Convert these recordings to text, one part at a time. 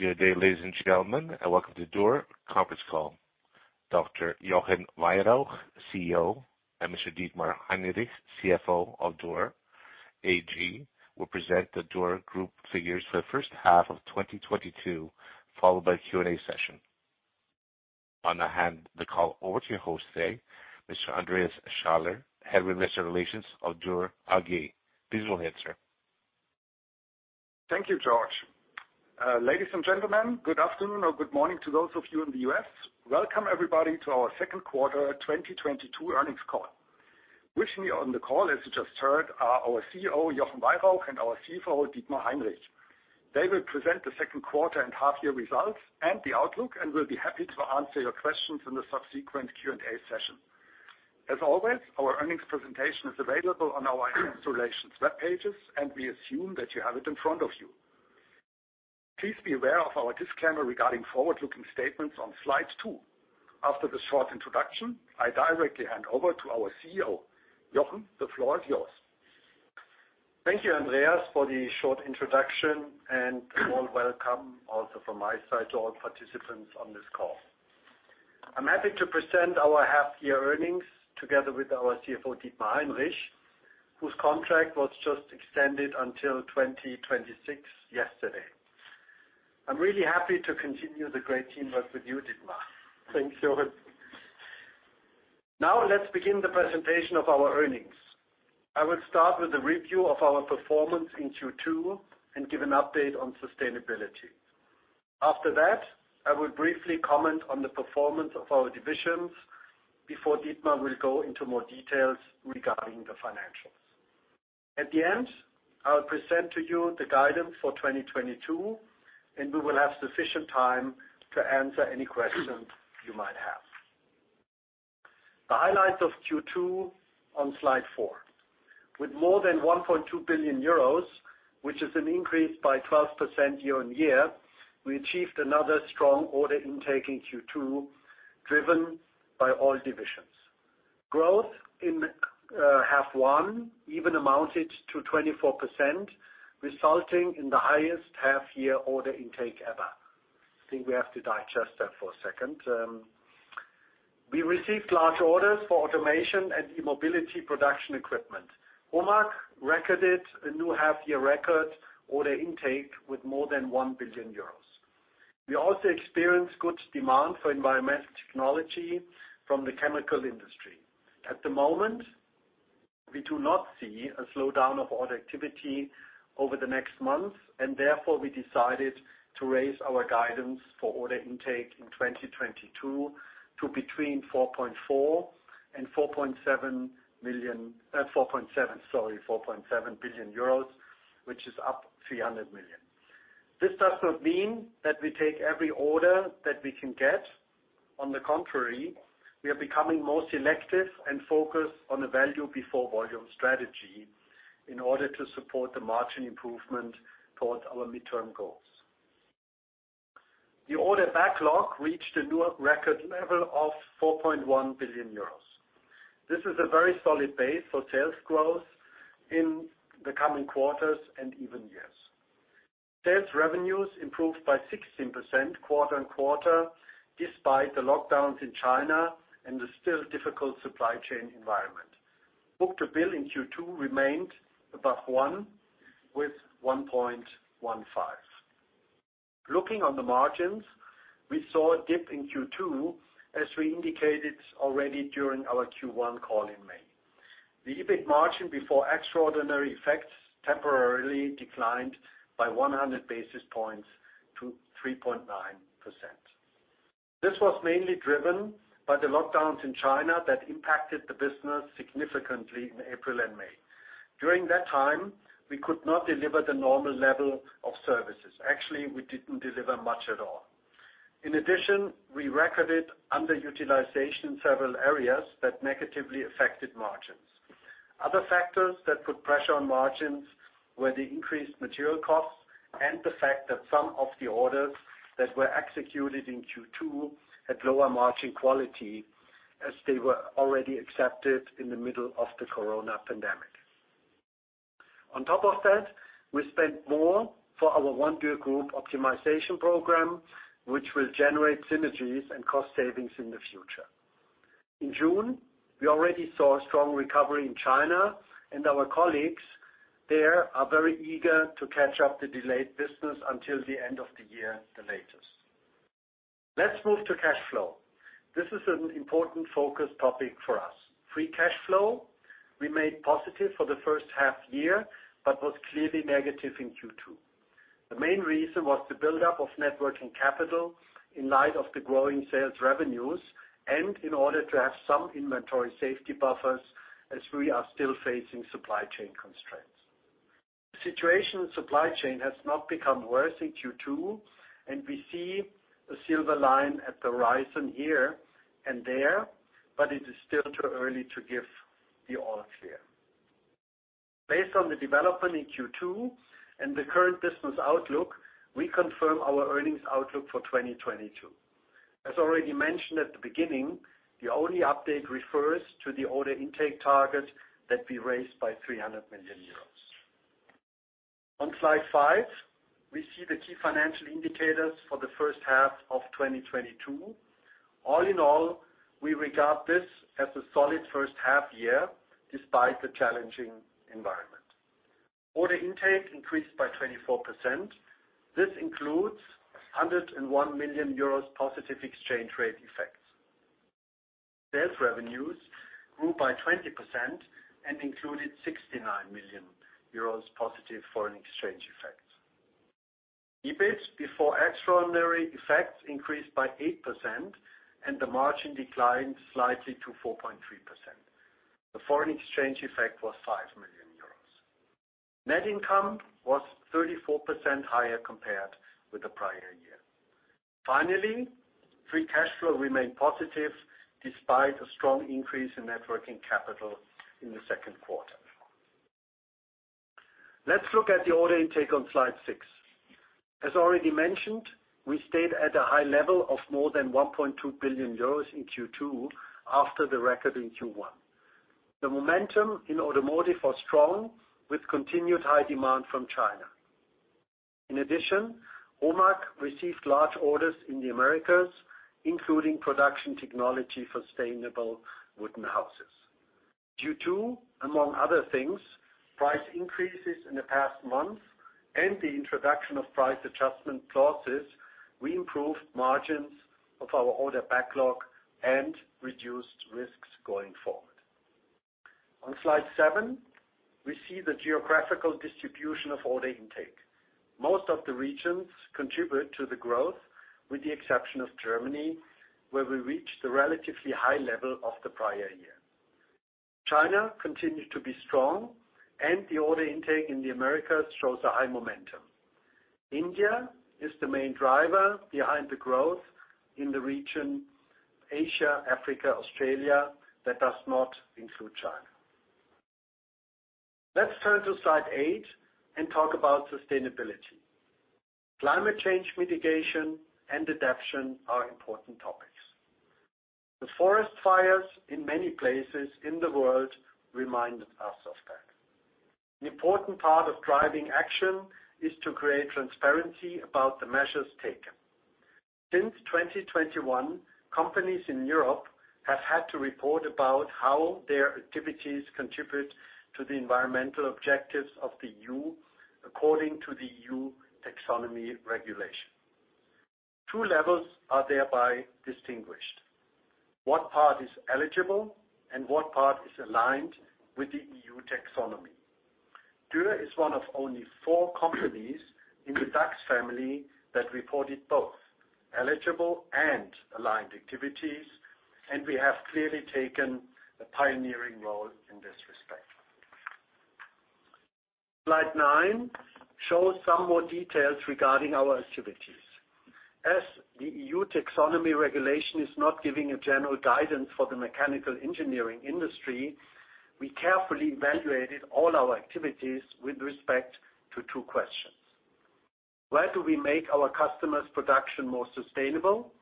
Good day, ladies and gentlemen, and welcome to Dürr conference call. Dr. Jochen Weyrauch, CEO, and Mr. Dietmar Heinrich, CFO of Dürr AG, will present the Dürr Group figures for the first half of 2022, followed by a Q&A session. Now, hand the call over to your host today, Mr. Andreas Schaller, Head of Investor Relations of Dürr AG. Please go ahead, sir. Thank you, George. Ladies and gentlemen, good afternoon or good morning to those of you in the U.S. Welcome everybody to our second quarter 2022 earnings call. With me on the call, as you just heard, are our CEO, Jochen Weyrauch, and our CFO, Dietmar Heinrich. They will present the second quarter and half year results and the outlook, and will be happy to answer your questions in the subsequent Q&A session. As always, our earnings presentation is available on our investor relations web pages, and we assume that you have it in front of you. Please be aware of our disclaimer regarding forward-looking statements on slide two. After this short introduction, I directly hand over to our CEO. Jochen, the floor is yours. Thank you, Andreas, for the short introduction and a warm welcome also from my side to all participants on this call. I'm happy to present our half year earnings together with our CFO, Dietmar Heinrich, whose contract was just extended until 2026 yesterday. I'm really happy to continue the great teamwork with you, Dietmar. Thanks, Jochen. Now let's begin the presentation of our earnings. I will start with a review of our performance in Q2 and give an update on sustainability. After that, I will briefly comment on the performance of our divisions before Dietmar will go into more details regarding the financials. At the end, I will present to you the guidance for 2022, and we will have sufficient time to answer any questions you might have. The highlights of Q2 on slide four. With more than 1.2 billion euros, which is an increase by 12% year-on-year, we achieved another strong order intake in Q2, driven by all divisions. Growth in half one even amounted to 24%, resulting in the highest half year order intake ever. I think we have to digest that for a second. We received large orders for automation and e-mobility production equipment. HOMAG recorded a new half-year record order intake with more than 1 billion euros. We also experienced good demand for environmental technology from the chemical industry. At the moment, we do not see a slowdown of order activity over the next months, and therefore we decided to raise our guidance for order intake in 2022 to between 4.4 billion and 4.7 billion euros, which is up 300 million. This does not mean that we take every order that we can get. On the contrary, we are becoming more selective and focused on the value before volume strategy in order to support the margin improvement towards our midterm goals. The order backlog reached a new record level of 4.1 billion euros. This is a very solid base for sales growth in the coming quarters and even years. Sales revenues improved by 16% quarter-on-quarter, despite the lockdowns in China and the still difficult supply chain environment. Book-to-bill in Q2 remained above on with 1.15. Looking on the margins, we saw a dip in Q2, as we indicated already during our Q1 call in May. The EBIT margin before extraordinary effects temporarily declined by 100 basis points to 3.9%. This was mainly driven by the lockdowns in China that impacted the business significantly in April and May. During that time, we could not deliver the normal level of services. Actually, we didn't deliver much at all. In addition, we recorded underutilization in several areas that negatively affected margins. Other factors that put pressure on margins were the increased material costs and the fact that some of the orders that were executed in Q2 had lower margin quality as they were already accepted in the middle of the corona pandemic. On top of that, we spent more for our One Dürr Group optimization program, which will generate synergies and cost savings in the future. In June, we already saw a strong recovery in China, and our colleagues there are very eager to catch up the delayed business until the end of the year, the latest. Let's move to cash flow. This is an important focus topic for us. Free cash flow remained positive for the first half year but was clearly negative in Q2. The main reason was the buildup of net working capital in light of the growing sales revenues and in order to have some inventory safety buffers as we are still facing supply chain constraints. The situation in supply chain has not become worse in Q2, and we see a silver lining on the horizon here and there, but it is still too early to give the all clear. Based on the development in Q2 and the current business outlook, we confirm our earnings outlook for 2022. As already mentioned at the beginning, the order update refers to the order intake target that we raised by 300 million euros. On slide five, we see the key financial indicators for the first half of 2022. All in all, we regard this as a solid first half year, despite the challenging environment. Order intake increased by 24%. This includes 101 million euros positive exchange rate effects. Sales revenues grew by 20% and included 69 million euros positive foreign exchange effects. EBIT, before extraordinary effects, increased by 8%, and the margin declined slightly to 4.3%. The foreign exchange effect was 5 million euros. Net income was 34% higher compared with the prior year. Finally, free cash flow remained positive, despite a strong increase in net working capital in the second quarter. Let's look at the order intake on slide six. As already mentioned, we stayed at a high level of more than 1.2 billion euros in Q2, after the record in Q1. The momentum in automotive was strong, with continued high demand from China. In addition, HOMAG received large orders in the Americas, including production technology for sustainable wooden houses. Due to, among other things, price increases in the past months and the introduction of price adjustment clauses, we improved margins of our order backlog and reduced risks going forward. On slide seven, we see the geographical distribution of order intake. Most of the regions contribute to the growth, with the exception of Germany, where we reached the relatively high level of the prior year. China continued to be strong, and the order intake in the Americas shows a high momentum. India is the main driver behind the growth in the region, Asia, Africa, Australia, that does not include China. Let's turn to slide eight and talk about sustainability. Climate change mitigation and adaptation are important topics. The forest fires in many places in the world remind us of that. An important part of driving action is to create transparency about the measures taken. Since 2021, companies in Europe have had to report about how their activities contribute to the environmental objectives of the EU, according to the EU Taxonomy Regulation. Two levels are thereby distinguished. What part is eligible and what part is aligned with the EU taxonomy. Dürr is one of only four companies in the DAX family that reported both eligible and aligned activities, and we have clearly taken a pioneering role in this respect. Slide nine shows some more details regarding our activities. As the EU Taxonomy Regulation is not giving a general guidance for the mechanical engineering industry, we carefully evaluated all our activities with respect to two questions. Where do we make our customers' production more sustainable?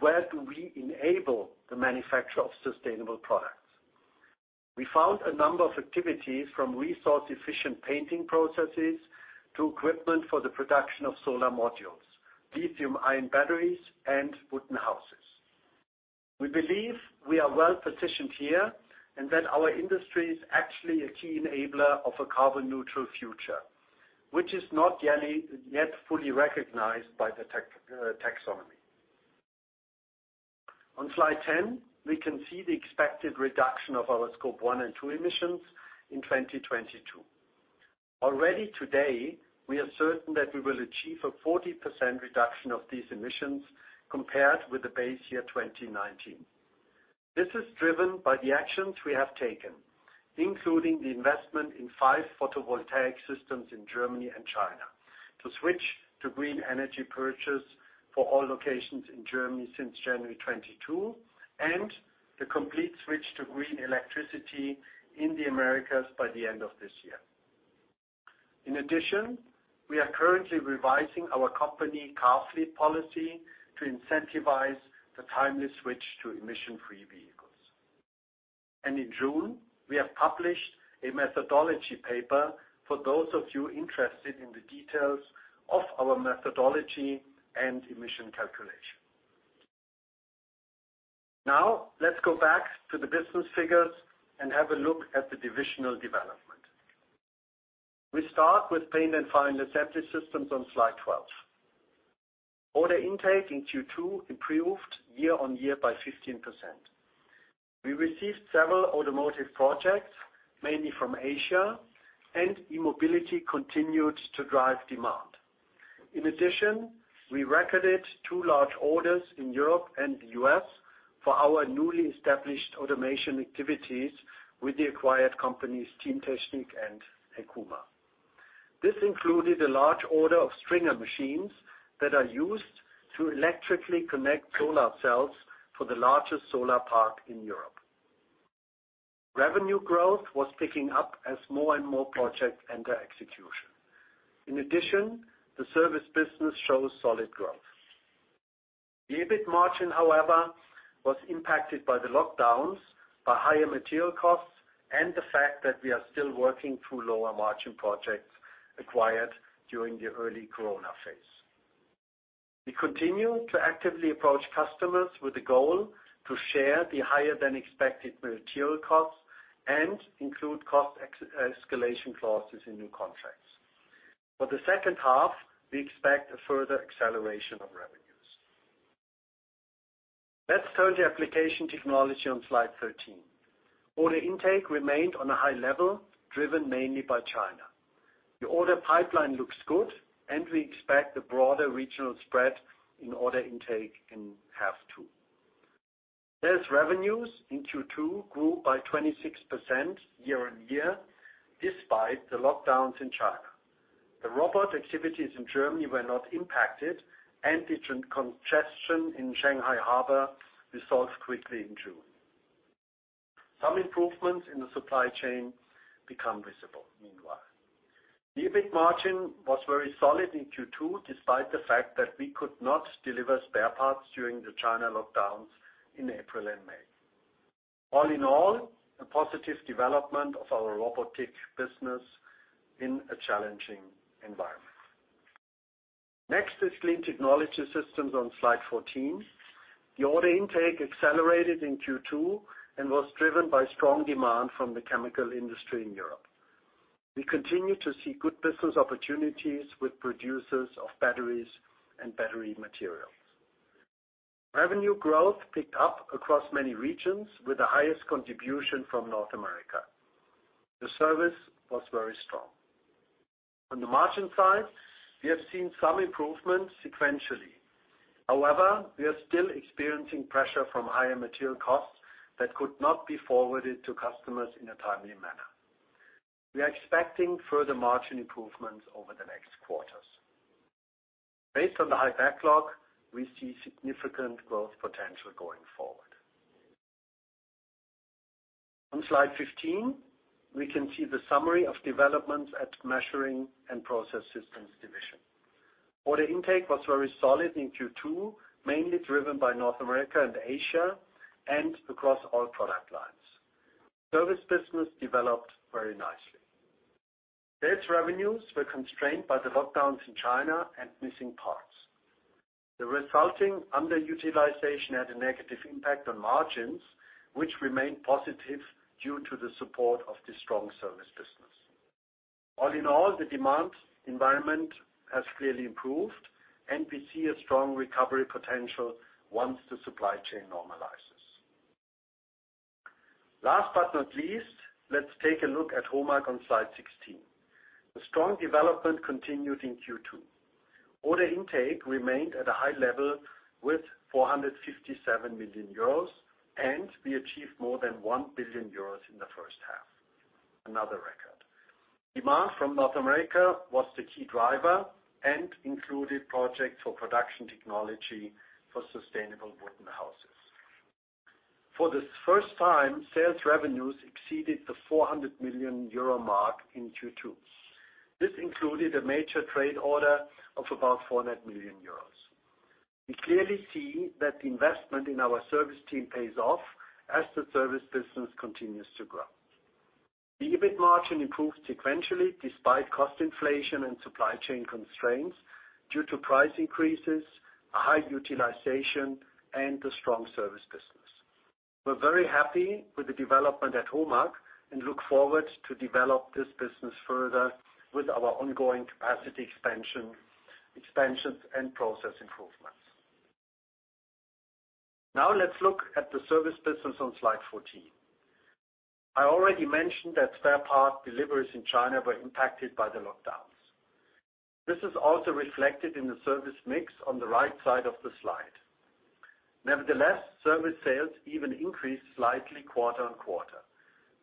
Where do we enable the manufacture of sustainable products? We found a number of activities from resource-efficient painting processes to equipment for the production of solar modules, lithium-ion batteries, and wooden houses. We believe we are well-positioned here, and that our industry is actually a key enabler of a carbon-neutral future, which is not yet fully recognized by the taxonomy. On slide 10, we can see the expected reduction of our Scope one and two emissions in 2022. Already today, we are certain that we will achieve a 40% reduction of these emissions compared with the base year 2019. This is driven by the actions we have taken, including the investment in five photovoltaic systems in Germany and China, to switch to green energy purchase for all locations in Germany since January 2022, and the complete switch to green electricity in the Americas by the end of this year. In addition, we are currently revising our company car fleet policy to incentivize the timely switch to emission-free vehicles. In June, we have published a methodology paper for those of you interested in the details of our methodology and emission calculation. Now, let's go back to the business figures and have a look at the divisional development. We start with Paint and Final Assembly Systems on slide 12. Order intake in Q2 improved year-on-year by 15%. We received several automotive projects, mainly from Asia, and e-mobility continued to drive demand. In addition, we recorded two large orders in Europe and the U.S. for our newly established automation activities with the acquired companies, teamtechnik and HEKUMA. This included a large order of stringer machines that are used to electrically connect solar cells for the largest solar park in Europe. Revenue growth was picking up as more and more projects enter execution. In addition, the service business shows solid growth. The EBIT margin, however, was impacted by the lockdowns, by higher material costs, and the fact that we are still working through lower margin projects acquired during the early Corona phase. We continue to actively approach customers with the goal to share the higher-than-expected material costs and include cost ex-escalation clauses in new contracts. For the second half, we expect a further acceleration of revenues. Let's turn to Application Technology on slide 13. Order intake remained on a high level, driven mainly by China. The order pipeline looks good, and we expect a broader regional spread in order intake in half two. Sales revenues in Q2 grew by 26% year-on-year despite the lockdowns in China. The robot activities in Germany were not impacted, and the congestion in Shanghai Harbor resolved quickly in June. Some improvements in the supply chain become visible, meanwhile. The EBIT margin was very solid in Q2, despite the fact that we could not deliver spare parts during the China lockdowns in April and May. All in all, a positive development of our robotic business in a challenging environment. Next is Clean Technology Systems on slide 14. The order intake accelerated in Q2 and was driven by strong demand from the chemical industry in Europe. We continue to see good business opportunities with producers of batteries and battery materials. Revenue growth picked up across many regions, with the highest contribution from North America. The service was very strong. On the margin side, we have seen some improvement sequentially. However, we are still experiencing pressure from higher material costs that could not be forwarded to customers in a timely manner. We are expecting further margin improvements over the next quarters. Based on the high backlog, we see significant growth potential going forward. On slide 15, we can see the summary of developments at Measuring and Process Systems division. Order intake was very solid in Q2, mainly driven by North America and Asia, and across all product lines. Service business developed very nicely. Sales revenues were constrained by the lockdowns in China and missing parts. The resulting underutilization had a negative impact on margins, which remained positive due to the support of the strong service business. All in all, the demand environment has clearly improved, and we see a strong recovery potential once the supply chain normalizes. Last but not least, let's take a look at HOMAG on slide 16. The strong development continued in Q2. Order intake remained at a high level with 457 million euros, and we achieved more than 1 billion euros in the first half. Another record. Demand from North America was the key driver and included projects for production technology for sustainable wooden houses. For the first time, sales revenues exceeded the 400 million euro mark in Q2. This included a major trade order of about 400 million euros. We clearly see that the investment in our service team pays off as the service business continues to grow. The EBIT margin improved sequentially despite cost inflation and supply chain constraints due to price increases, a high utilization, and a strong service business. We're very happy with the development at HOMAG and look forward to develop this business further with our ongoing capacity expansion and process improvements. Now let's look at the service business on slide 14. I already mentioned that spare part deliveries in China were impacted by the lockdowns. This is also reflected in the service mix on the right side of the slide. Nevertheless, service sales even increased slightly quarter on quarter.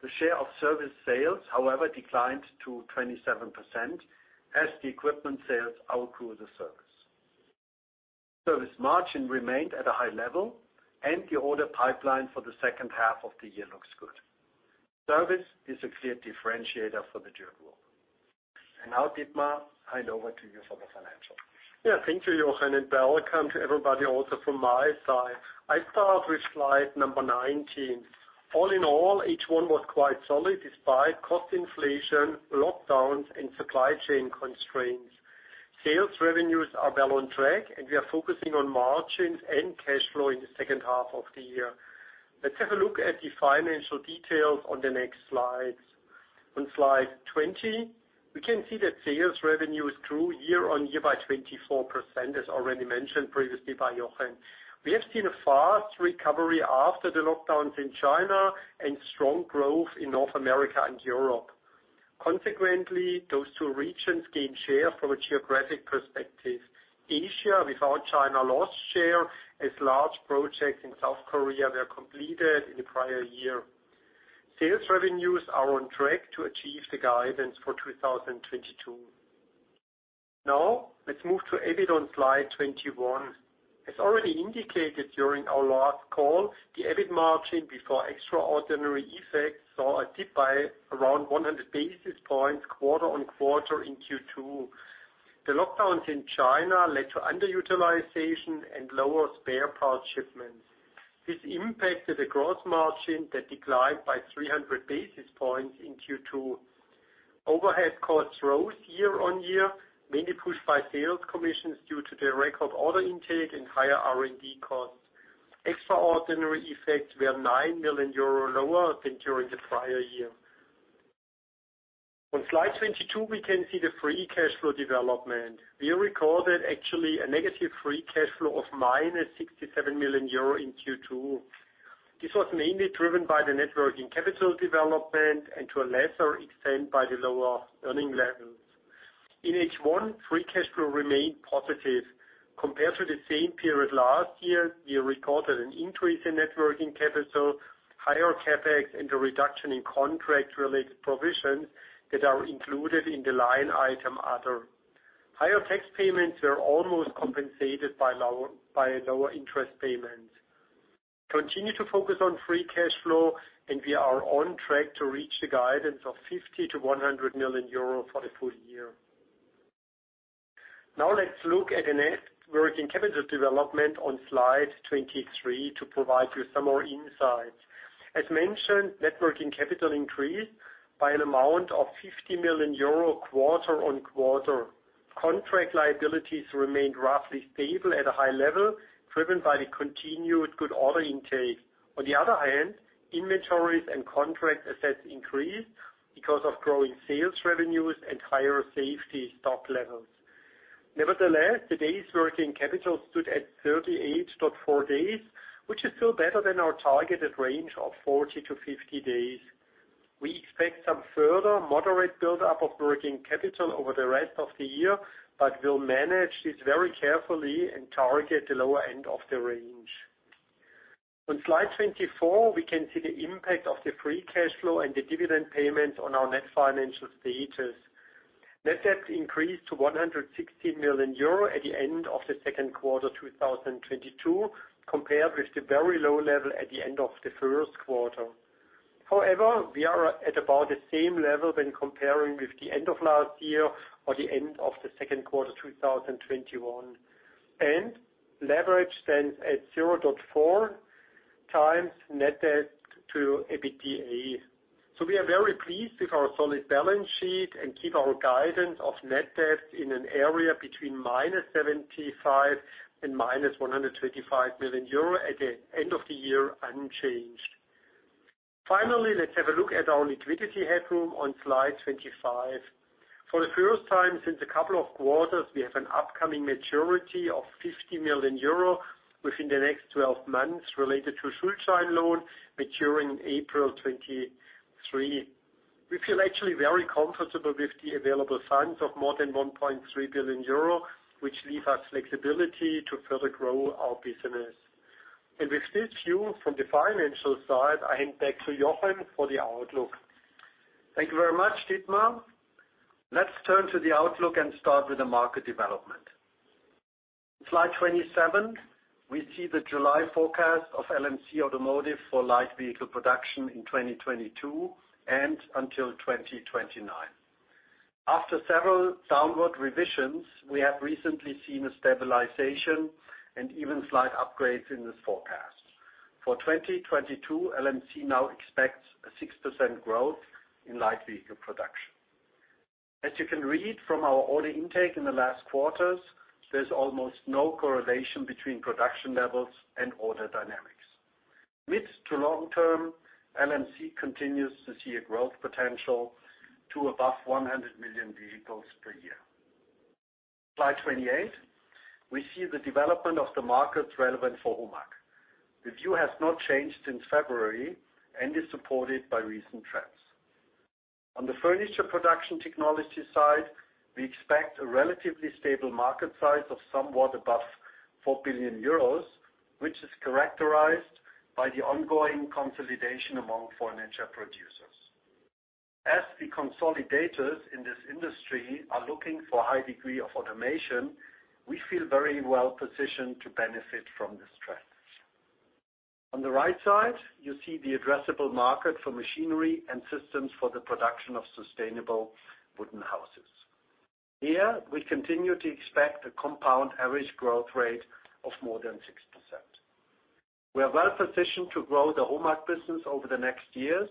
The share of service sales, however, declined to 27% as the equipment sales outgrew the service. Service margin remained at a high level, and the order pipeline for the second half of the year looks good. Service is a clear differentiator for the Dürr Group. Now, Dietmar, hand over to you for the financials. Yeah, thank you, Jochen, and welcome to everybody also from my side. I start with slide number 19. All in all, H1 was quite solid despite cost inflation, lockdowns, and supply chain constraints. Sales revenues are well on track, and we are focusing on margins and cash flow in the second half of the year. Let's have a look at the financial details on the next slides. On slide 20, we can see that sales revenues grew year-over-year by 24%, as already mentioned previously by Jochen. We have seen a fast recovery after the lockdowns in China and strong growth in North America and Europe. Consequently, those two regions gained share from a geographic perspective. Asia, without China, lost share as large projects in South Korea were completed in the prior year. Sales revenues are on track to achieve the guidance for 2022. Now let's move to EBIT on slide 21. As already indicated during our last call, the EBIT margin before extraordinary effects saw a dip by around 100 basis points quarter-on-quarter in Q2. The lockdowns in China led to underutilization and lower spare parts shipments. This impacted the gross margin that declined by 300 basis points in Q2. Overhead costs rose year-on-year, mainly pushed by sales commissions due to the record order intake and higher R&D costs. Extraordinary effects were 9 million euro lower than during the prior year. On slide 22, we can see the free cash flow development. We recorded actually a negative free cash flow of -67 million euro in Q2. This was mainly driven by the net working capital development and to a lesser extent, by the lower earning levels. In H1, free cash flow remained positive. Compared to the same period last year, we recorded an increase in net working capital, higher CapEx and a reduction in contract-related provisions that are included in the line item, other. Higher tax payments were almost compensated by lower interest payments. Continue to focus on free cash flow, and we are on track to reach the guidance of 50 million-100 million euro for the full year. Now let's look at the net working capital development on slide 23 to provide you some more insights. As mentioned, net working capital increased by an amount of 50 million euro quarter on quarter. Contract liabilities remained roughly stable at a high level, driven by the continued good order intake. On the other hand, inventories and contract assets increased because of growing sales revenues and higher safety stock levels. Nevertheless, the days working capital stood at 38.4 days, which is still better than our targeted range of 40-50 days. We expect some further moderate buildup of working capital over the rest of the year, but we'll manage this very carefully and target the lower end of the range. On slide 24, we can see the impact of the free cash flow and the dividend payments on our net financial status. Net debt increased to 160 million euro at the end of the second quarter 2022, compared with the very low level at the end of the first quarter. However, we are at about the same level when comparing with the end of last year or the end of the second quarter 2021. Leverage stands at 0.4x net debt to EBITDA. We are very pleased with our solid balance sheet and keep our guidance of net debt in an area between -75 million and -125 million euro at the end of the year unchanged. Finally, let's have a look at our liquidity headroom on slide 25. For the first time since a couple of quarters, we have an upcoming maturity of 50 million euro within the next 12 months related to Schuldschein loan maturing April 2023. We feel actually very comfortable with the available funds of more than 1.3 billion euro, which leave us flexibility to further grow our business. With this view from the financial side, I hand back to Jochen for the outlook. Thank you very much, Dietmar. Let's turn to the outlook and start with the market development. Slide 27, we see the July forecast of LMC Automotive for light vehicle production in 2022 and until 2029. After several downward revisions, we have recently seen a stabilization and even slight upgrades in this forecast. For 2022, LMC now expects a 6% growth in light vehicle production. As you can read from our order intake in the last quarters, there's almost no correlation between production levels and order dynamics. Mid to long term, LMC continues to see a growth potential to above 100 million vehicles per year. Slide 28, we see the development of the markets relevant for HOMAG. The view has not changed since February and is supported by recent trends. On the furniture production technology side, we expect a relatively stable market size of somewhat above 4 billion euros, which is characterized by the ongoing consolidation among furniture producers. As the consolidators in this industry are looking for high degree of automation, we feel very well-positioned to benefit from this trend. On the right side, you see the addressable market for machinery and systems for the production of sustainable wooden houses. Here, we continue to expect a compound average growth rate of more than 6%. We are well-positioned to grow the HOMAG business over the next years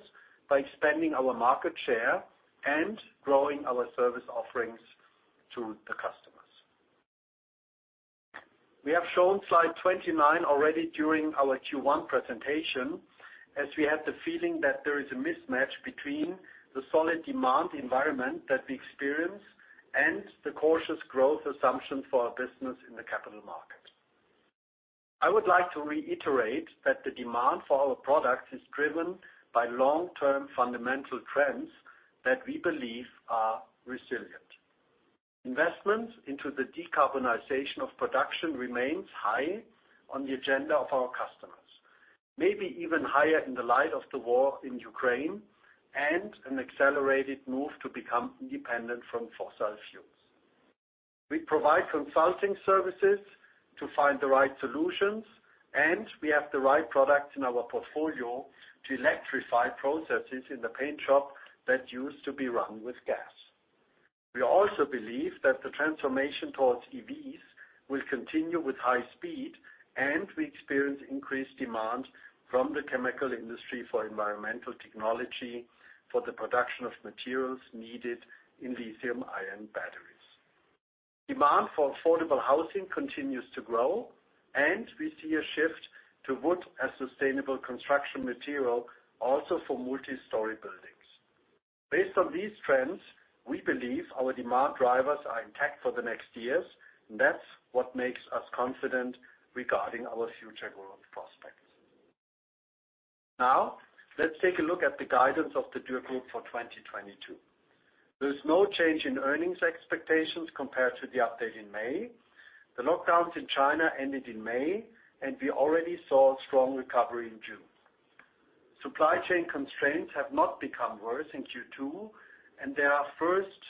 by expanding our market share and growing our service offerings to the customers. We have shown slide 29 already during our Q1 presentation, as we had the feeling that there is a mismatch between the solid demand environment that we experience and the cautious growth assumption for our business in the capital market. I would like to reiterate that the demand for our products is driven by long-term fundamental trends that we believe are resilient. Investments into the decarbonization of production remains high on the agenda of our customers. Maybe even higher in the light of the war in Ukraine and an accelerated move to become independent from fossil fuels. We provide consulting services to find the right solutions, and we have the right products in our portfolio to electrify processes in the paint shop that used to be run with gas. We also believe that the transformation towards EVs will continue with high speed, and we experience increased demand from the chemical industry for environmental technology for the production of materials needed in lithium-ion batteries. Demand for affordable housing continues to grow, and we see a shift to wood as sustainable construction material also for multi-story buildings. Based on these trends, we believe our demand drivers are intact for the next years, and that's what makes us confident regarding our future growth prospects. Now, let's take a look at the guidance of the Dürr Group for 2022. There is no change in earnings expectations compared to the update in May. The lockdowns in China ended in May, and we already saw strong recovery in June. Supply chain constraints have not become worse in Q2, and there are first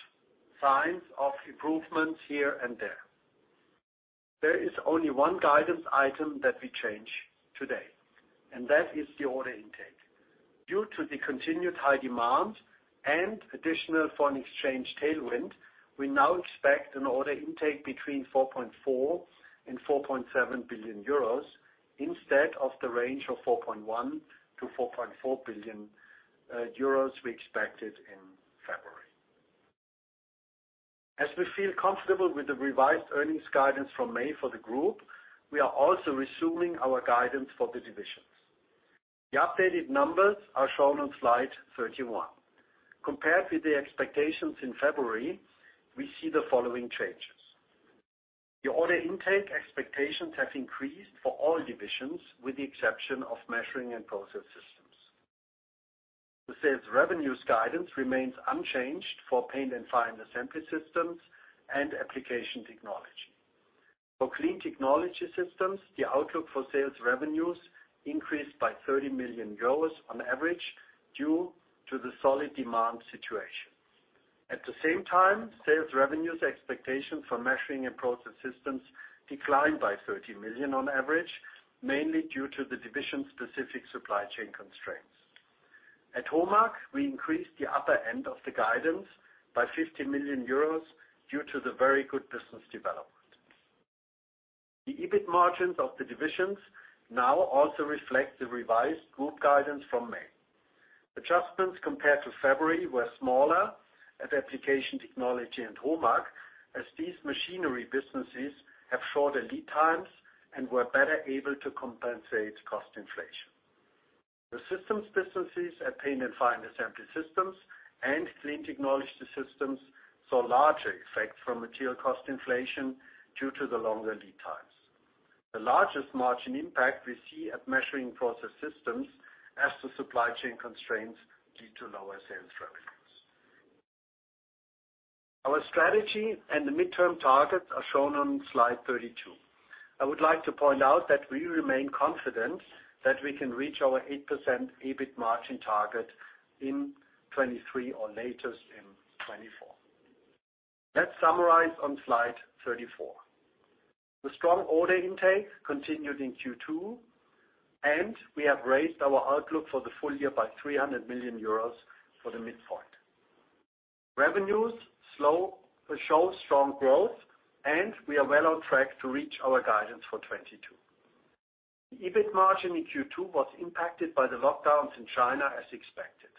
signs of improvements here and there. There is only one guidance item that we change today, and that is the order intake. Due to the continued high demand and additional foreign exchange tailwind, we now expect an order intake between 4.4 billion and 4.7 billion euros instead of the range of 4.1 billion-4.4 billion euros we expected in February. As we feel comfortable with the revised earnings guidance from May for the group, we are also resuming our guidance for the divisions. The updated numbers are shown on slide 31. Compared with the expectations in February, we see the following changes. The order intake expectations have increased for all divisions with the exception of Measuring and Process Systems. The sales revenues guidance remains unchanged for Paint and Final Assembly Systems and Application Technology. For Clean Technology Systems, the outlook for sales revenues increased by 30 million euros on average due to the solid demand situation. At the same time, sales revenues expectations for Measuring and Process Systems declined by 30 million on average, mainly due to the division-specific supply chain constraints. At HOMAG, we increased the upper end of the guidance by 50 million euros due to the very good business development. The EBIT margins of the divisions now also reflect the revised group guidance from May. Adjustments compared to February were smaller at Application Technology and HOMAG, as these machinery businesses have shorter lead times and were better able to compensate cost inflation. The systems businesses at Paint and Final Assembly Systems and Clean Technology Systems saw larger effects from material cost inflation due to the longer lead times. The largest margin impact we see at Measuring and Process Systems as the supply chain constraints lead to lower sales revenues. Our strategy and the midterm targets are shown on slide 32. I would like to point out that we remain confident that we can reach our 8% EBIT margin target in 2023 or latest in 2024. Let's summarize on slide 34. The strong order intake continued in Q2, and we have raised our outlook for the full year by 300 million euros for the midpoint. Revenues show strong growth, and we are well on track to reach our guidance for 2022. The EBIT margin in Q2 was impacted by the lockdowns in China as expected.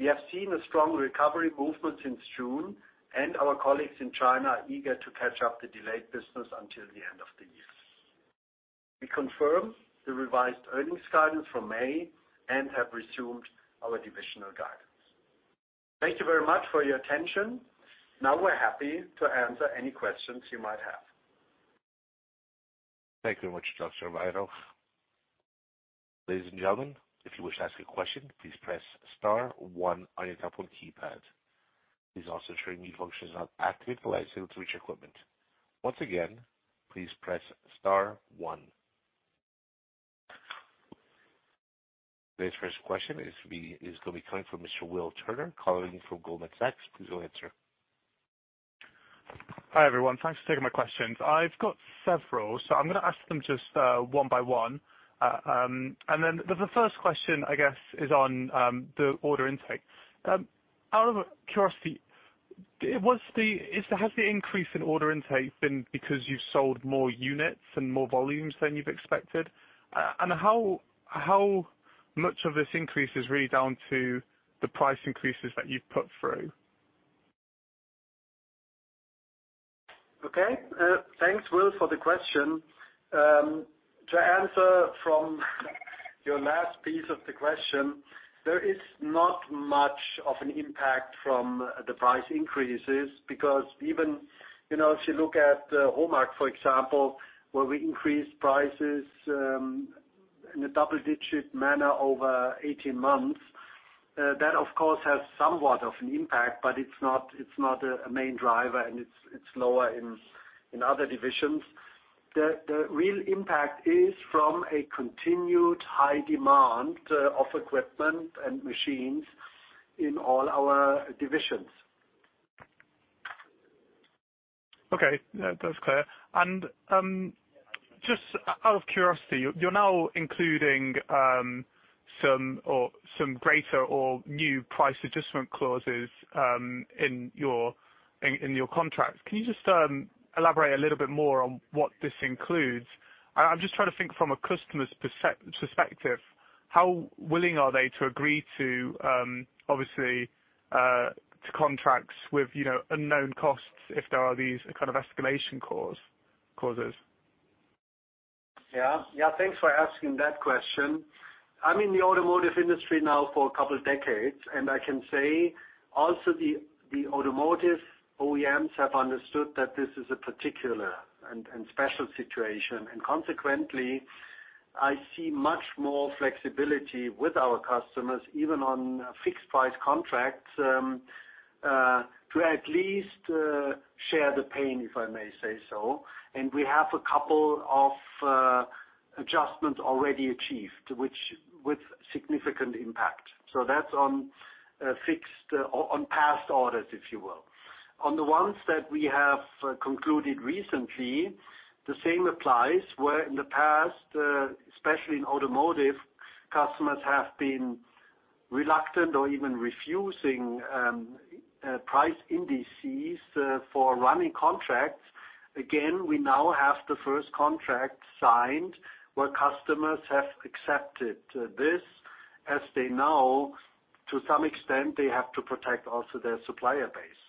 We have seen a strong recovery movement since June, and our colleagues in China are eager to catch up the delayed business until the end of the year. We confirm the revised earnings guidance from May and have resumed our divisional guidance. Thank you very much for your attention. Now we're happy to answer any questions you might have. Thank you very much, Dr. Weyrauch. Ladies and gentlemen, if you wish to ask a question, please press star one on your telephone keypad. Please also ensure any functions are activated, like speakerphone to reach equipment. Once again, please press star one. Today's first question is gonna be coming from Mr. Will Turner calling in from Goldman Sachs. Please go ahead, sir. Hi, everyone. Thanks for taking my questions. I've got several, so I'm gonna ask them just one by one. The first question, I guess, is on the order intake. Out of curiosity, has the increase in order intake been because you've sold more units and more volumes than you've expected? And how much of this increase is really down to the price increases that you've put through? Okay. Thanks, Will, for the question. To answer from your last piece of the question, there is not much of an impact from the price increases because even, you know, if you look at HOMAG, for example, where we increased prices in a double-digit manner over 18 months, that of course has somewhat of an impact, but it's not a main driver, and it's lower in other divisions. The real impact is from a continued high demand of equipment and machines in all our divisions. Okay. Yeah, that's clear. Just out of curiosity, you're now including some greater or new price adjustment clauses in your contracts. Can you just elaborate a little bit more on what this includes? I'm just trying to think from a customer's perspective, how willing are they to agree to, obviously, to contracts with you know unknown costs if there are these kind of escalation clauses? Yeah. Yeah, thanks for asking that question. I'm in the automotive industry now for a couple decades, and I can say also the automotive OEMs have understood that this is a particular and special situation. Consequently, I see much more flexibility with our customers, even on fixed price contracts, to at least share the pain, if I may say so. We have a couple of adjustments already achieved, which with significant impact. That's on fixed past orders, if you will. On the ones that we have concluded recently, the same applies, where in the past, especially in automotive, customers have been reluctant or even refusing price indices for running contracts. Again, we now have the first contract signed, where customers have accepted this as they now, to some extent, they have to protect also their supplier base.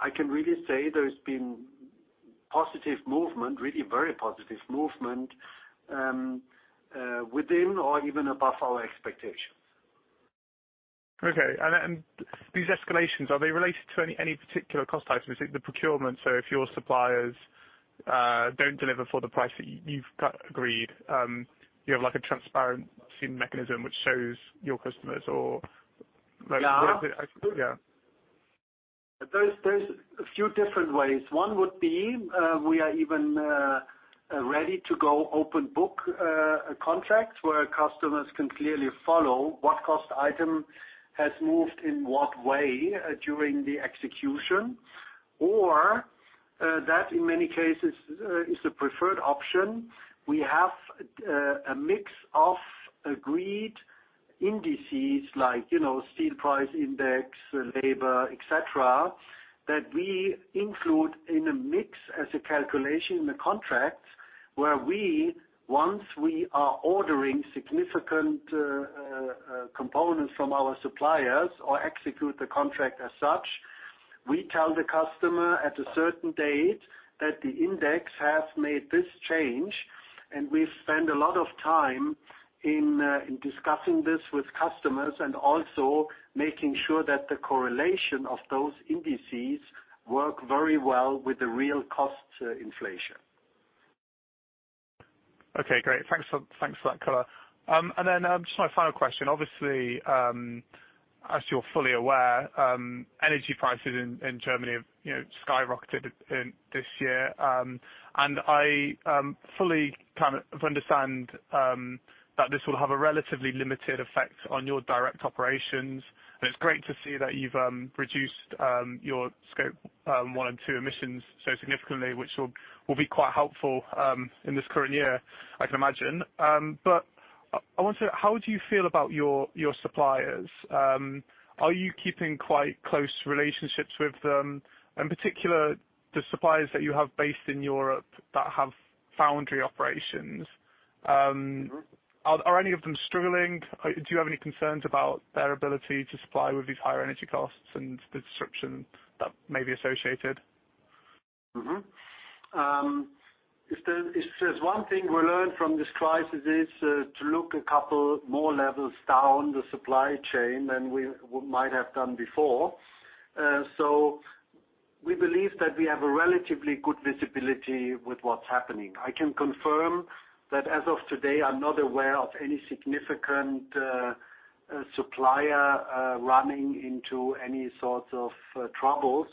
I can really say there's been positive movement, really very positive movement, within or even above our expectations. Okay. These escalations, are they related to any particular cost types? Is it the procurement, so if your suppliers don't deliver for the price that you've agreed, you have like a transparent mechanism which shows your customers. Yeah. What is it? Yeah. There's a few different ways. One would be, we are even, ready to go open book, contracts, where customers can clearly follow what cost item has moved in what way, during the execution. That, in many cases, is the preferred option. We have, a mix of agreed indices like, you know, steel price index, labor, et cetera, that we include in a mix as a calculation in the contract where we, once we are ordering significant, components from our suppliers or execute the contract as such, we tell the customer at a certain date that the index has made this change, and we spend a lot of time in discussing this with customers and also making sure that the correlation of those indices work very well with the real cost, inflation. Okay, great. Thanks for that color. Just my final question. Obviously, as you're fully aware, energy prices in Germany have, you know, skyrocketed in this year. I fully kind of understand that this will have a relatively limited effect on your direct operations, and it's great to see that you've reduced your Scope one and two emissions so significantly, which will be quite helpful in this current year, I can imagine. I want to. How do you feel about your suppliers? Are you keeping quite close relationships with them? In particular, the suppliers that you have based in Europe that have foundry operations. Are any of them struggling? Do you have any concerns about their ability to supply with these higher energy costs and the disruption that may be associated? If there's one thing we learned from this crisis is to look a couple more levels down the supply chain than we might have done before. We believe that we have a relatively good visibility with what's happening. I can confirm that as of today, I'm not aware of any significant supplier running into any sorts of troubles.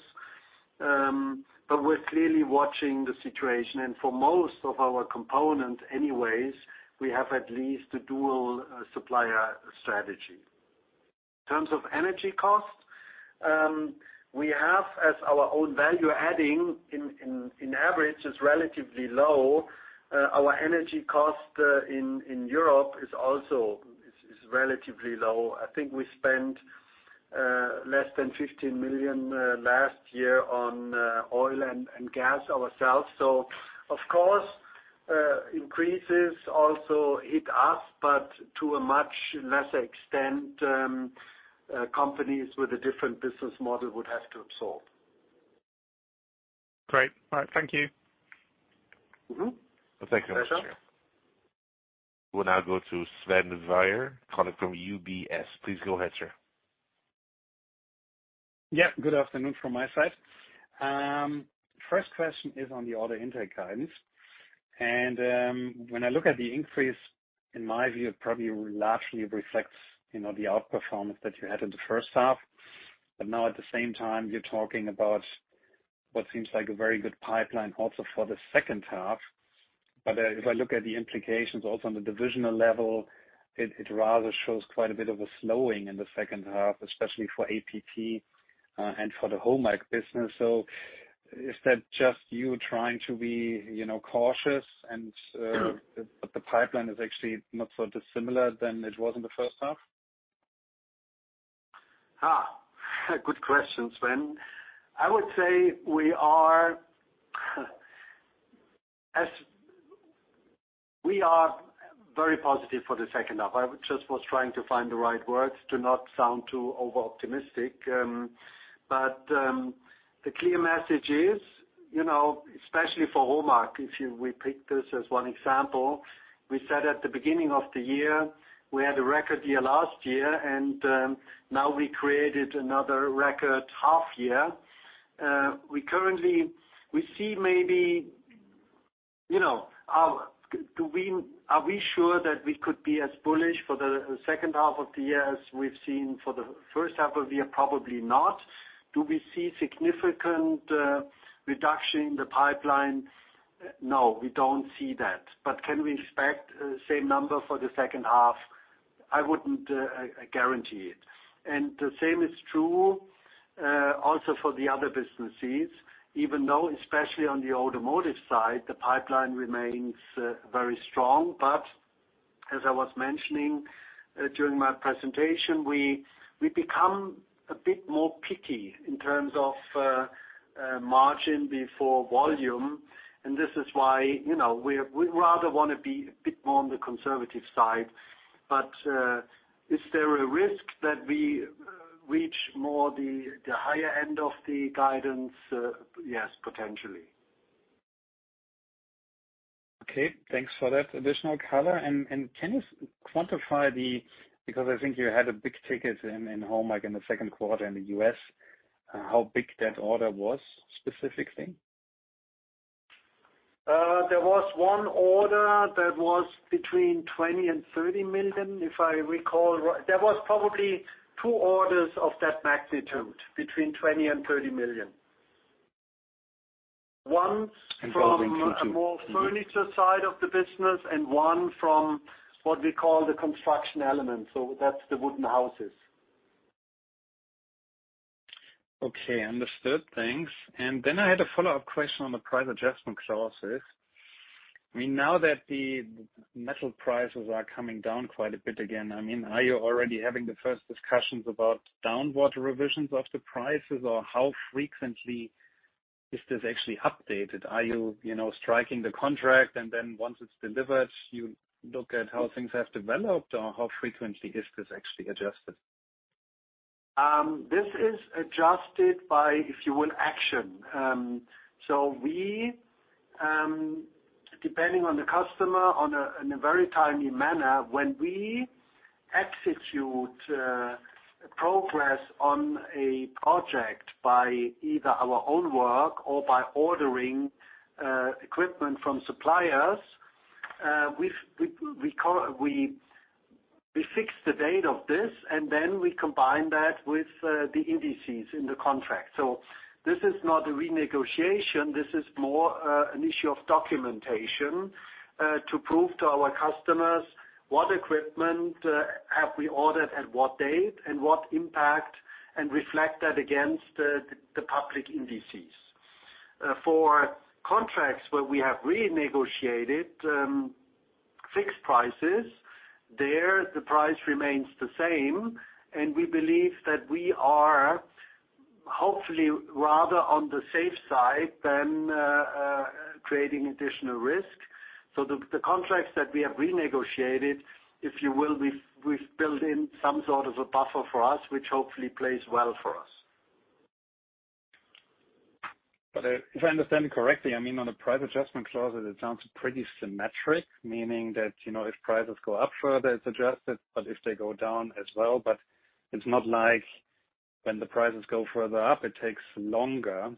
We're clearly watching the situation. For most of our components anyways, we have at least a dual supplier strategy. In terms of energy costs, we have as our own value adding in average is relatively low. Our energy cost in Europe is also relatively low. I think we spent less than 15 million last year on oil and gas ourselves. Of course, increases also hit us, but to a much lesser extent, companies with a different business model would have to absorb. Great. All right. Thank you. Mm-hmm. Thank you very much. Sir. We'll now go to Sven Weier calling from UBS. Please go ahead, sir. Yeah. Good afternoon from my side. First question is on the order intake guidance. When I look at the increase, in my view, it probably largely reflects, you know, the outperformance that you had in the first half. Now at the same time, you're talking about what seems like a very good pipeline also for the second half. If I look at the implications also on the divisional level, it rather shows quite a bit of a slowing in the second half, especially for APT and for the HOMAG business. Is that just you trying to be, you know, cautious and The pipeline is actually not so dissimilar than it was in the first half? Good question, Sven. We are very positive for the second half. I just was trying to find the right words to not sound too over-optimistic. But the clear message is, you know, especially for HOMAG, if we pick this as one example, we said at the beginning of the year, we had a record year last year, and now we created another record half year. We see maybe, you know, Are we sure that we could be as bullish for the second half of the year as we've seen for the first half of the year? Probably not. Do we see significant reduction in the pipeline? No, we don't see that. But can we expect same number for the second half? I wouldn't guarantee it. The same is true, also for the other businesses, even though, especially on the automotive side, the pipeline remains very strong. As I was mentioning, during my presentation, we become a bit more picky in terms of, margin before volume, and this is why, you know, we rather wanna be a bit more on the conservative side. Is there a risk that we reach more the higher end of the guidance? Yes, potentially. Okay. Thanks for that additional color. Can you quantify, because I think you had a big ticket in HOMAG in the second quarter in the U.S., how big that order was specifically? There was one order that was between 20 million and 30 million. There was probably two orders of that magnitude between 20 million and 30 million. One from- Involving Q2. A more furniture side of the business, and one from what we call the construction element, so that's the wooden houses. Okay. Understood. Thanks. I had a follow-up question on the price adjustment clauses. I mean, now that the metal prices are coming down quite a bit again, I mean, are you already having the first discussions about downward revisions of the prices? Or how frequently is this actually updated? Are you know, striking the contract and then once it's delivered, you look at how things have developed? Or how frequently is this actually adjusted? This is adjusted by, if you will, action. We, depending on the customer, in a very timely manner, when we execute progress on a project by either our own work or by ordering equipment from suppliers, we fix the date of this, and then we combine that with the indices in the contract. This is not a renegotiation, this is more an issue of documentation to prove to our customers what equipment have we ordered at what date and what impact, and reflect that against the public indices. For contracts where we have renegotiated fixed prices, there the price remains the same, and we believe that we are hopefully rather on the safe side than creating additional risk. The contracts that we have renegotiated, if you will, we've built in some sort of a buffer for us, which hopefully plays well for us. If I understand correctly, I mean, on a price adjustment clause, it sounds pretty symmetric, meaning that, you know, if prices go up further, it's adjusted, but if they go down as well. It's not like when the prices go further up, it takes longer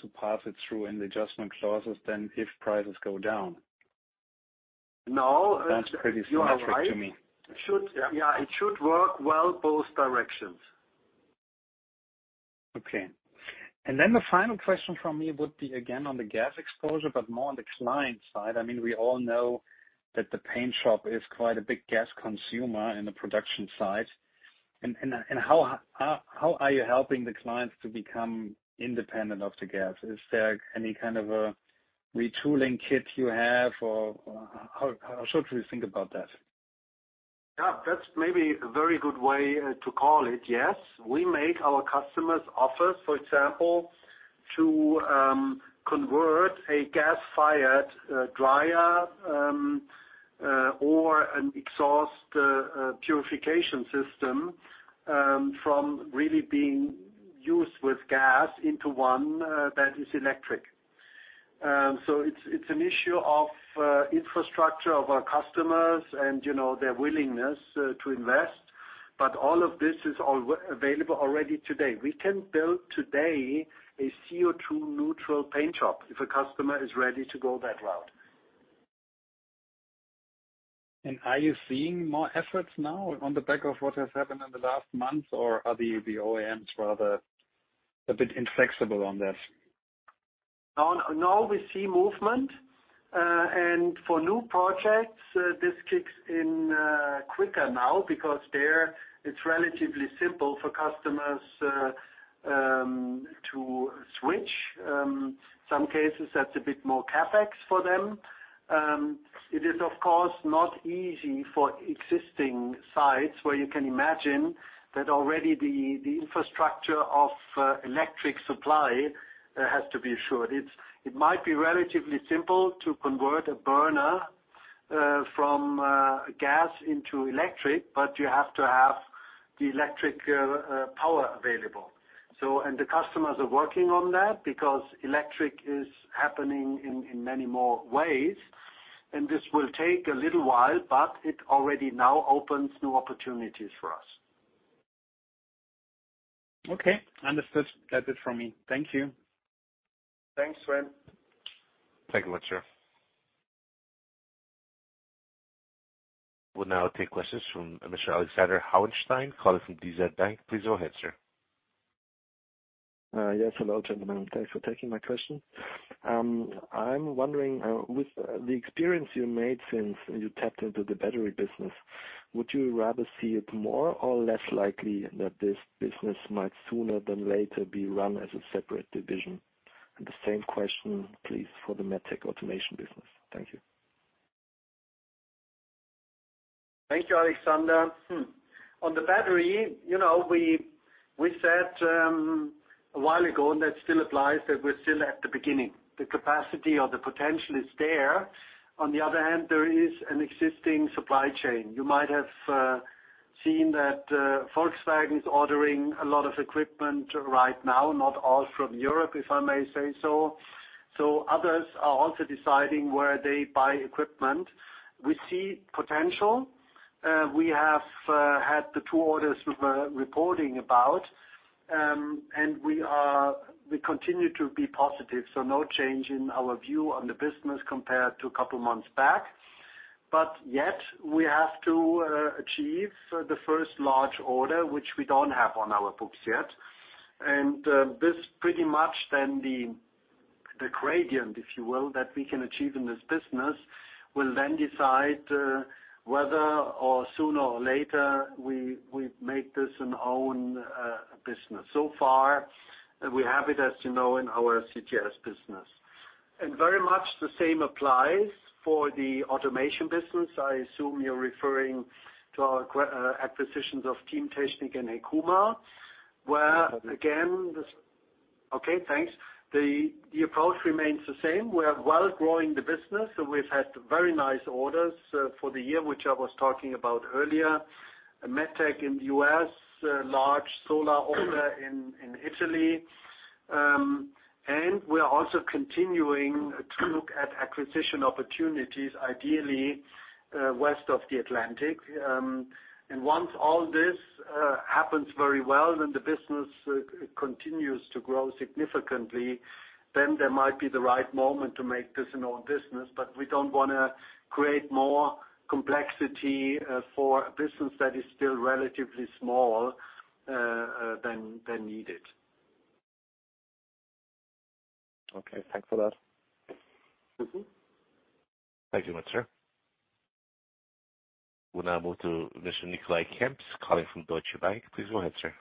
to pass it through in the adjustment clauses than if prices go down. No. Sounds pretty symmetric to me. You are right. It should. Yeah. It should work well both directions. Okay. The final question from me would be again on the gas exposure, but more on the client side. I mean, we all know that the paint shop is quite a big gas consumer in the production side. How are you helping the clients to become independent of the gas? Is there any kind of a retooling kit you have, or how should we think about that? Yeah. That's maybe a very good way to call it. Yes. We make our customers offers, for example, to convert a gas-fired dryer or an exhaust purification system from really being used with gas into one that is electric. It's an issue of infrastructure of our customers and, you know, their willingness to invest. All of this is available already today. We can build today a CO2 neutral paint shop if a customer is ready to go that route. Are you seeing more efforts now on the back of what has happened in the last month? Or are the OEMs rather a bit inflexible on that? Now we see movement, and for new projects, this kicks in quicker now because there it's relatively simple for customers to switch. Some cases that's a bit more CapEx for them. It is, of course, not easy for existing sites where you can imagine that already the infrastructure of electric supply has to be assured. It might be relatively simple to convert a burner from gas into electric, but you have to have the electric power available. Customers are working on that because electric is happening in many more ways, and this will take a little while, but it already now opens new opportunities for us. Okay. Understood. That's it from me. Thank you. Thanks, Sven. Thank you much, sir. We'll now take questions from Mr. Alexander Hauenstein, calling from DZ Bank. Please go ahead, sir. Yes, hello, gentlemen. Thanks for taking my question. I'm wondering, with the experience you made since you tapped into the battery business, would you rather see it more or less likely that this business might sooner than later be run as a separate division? The same question, please, for the MedTech Automation business. Thank you. Thank you, Alexander. On the battery, you know, we said a while ago, and that still applies, that we're still at the beginning. The capacity or the potential is there. On the other hand, there is an existing supply chain. You might have seen that, Volkswagen is ordering a lot of equipment right now, not all from Europe, if I may say so. Others are also deciding where they buy equipment. We see potential. We have had the two orders we were reporting about, and we continue to be positive, so no change in our view on the business compared to a couple months back. Yet, we have to achieve the first large order, which we don't have on our books yet. This pretty much then the gradient, if you will, that we can achieve in this business, will then decide whether or sooner or later we make this an own business. So far, we have it, as you know, in our CTS business. Very much the same applies for the automation business. I assume you're referring to our acquisitions of teamtechnik and HEKUMA, where again this. Okay, thanks. The approach remains the same. We are well growing the business. We've had very nice orders for the year, which I was talking about earlier. MedTech in the U.S., a large solar order in Italy. We are also continuing to look at acquisition opportunities, ideally west of the Atlantic. Once all this happens very well and the business continues to grow significantly, then that might be the right moment to make this an own business. We don't wanna create more complexity for a business that is still relatively small than needed. Okay. Thanks for that. Mm-hmm. Thank you much, sir. We'll now move to Mr. Nicolai Kempf calling from Deutsche Bank. Please go ahead, sir.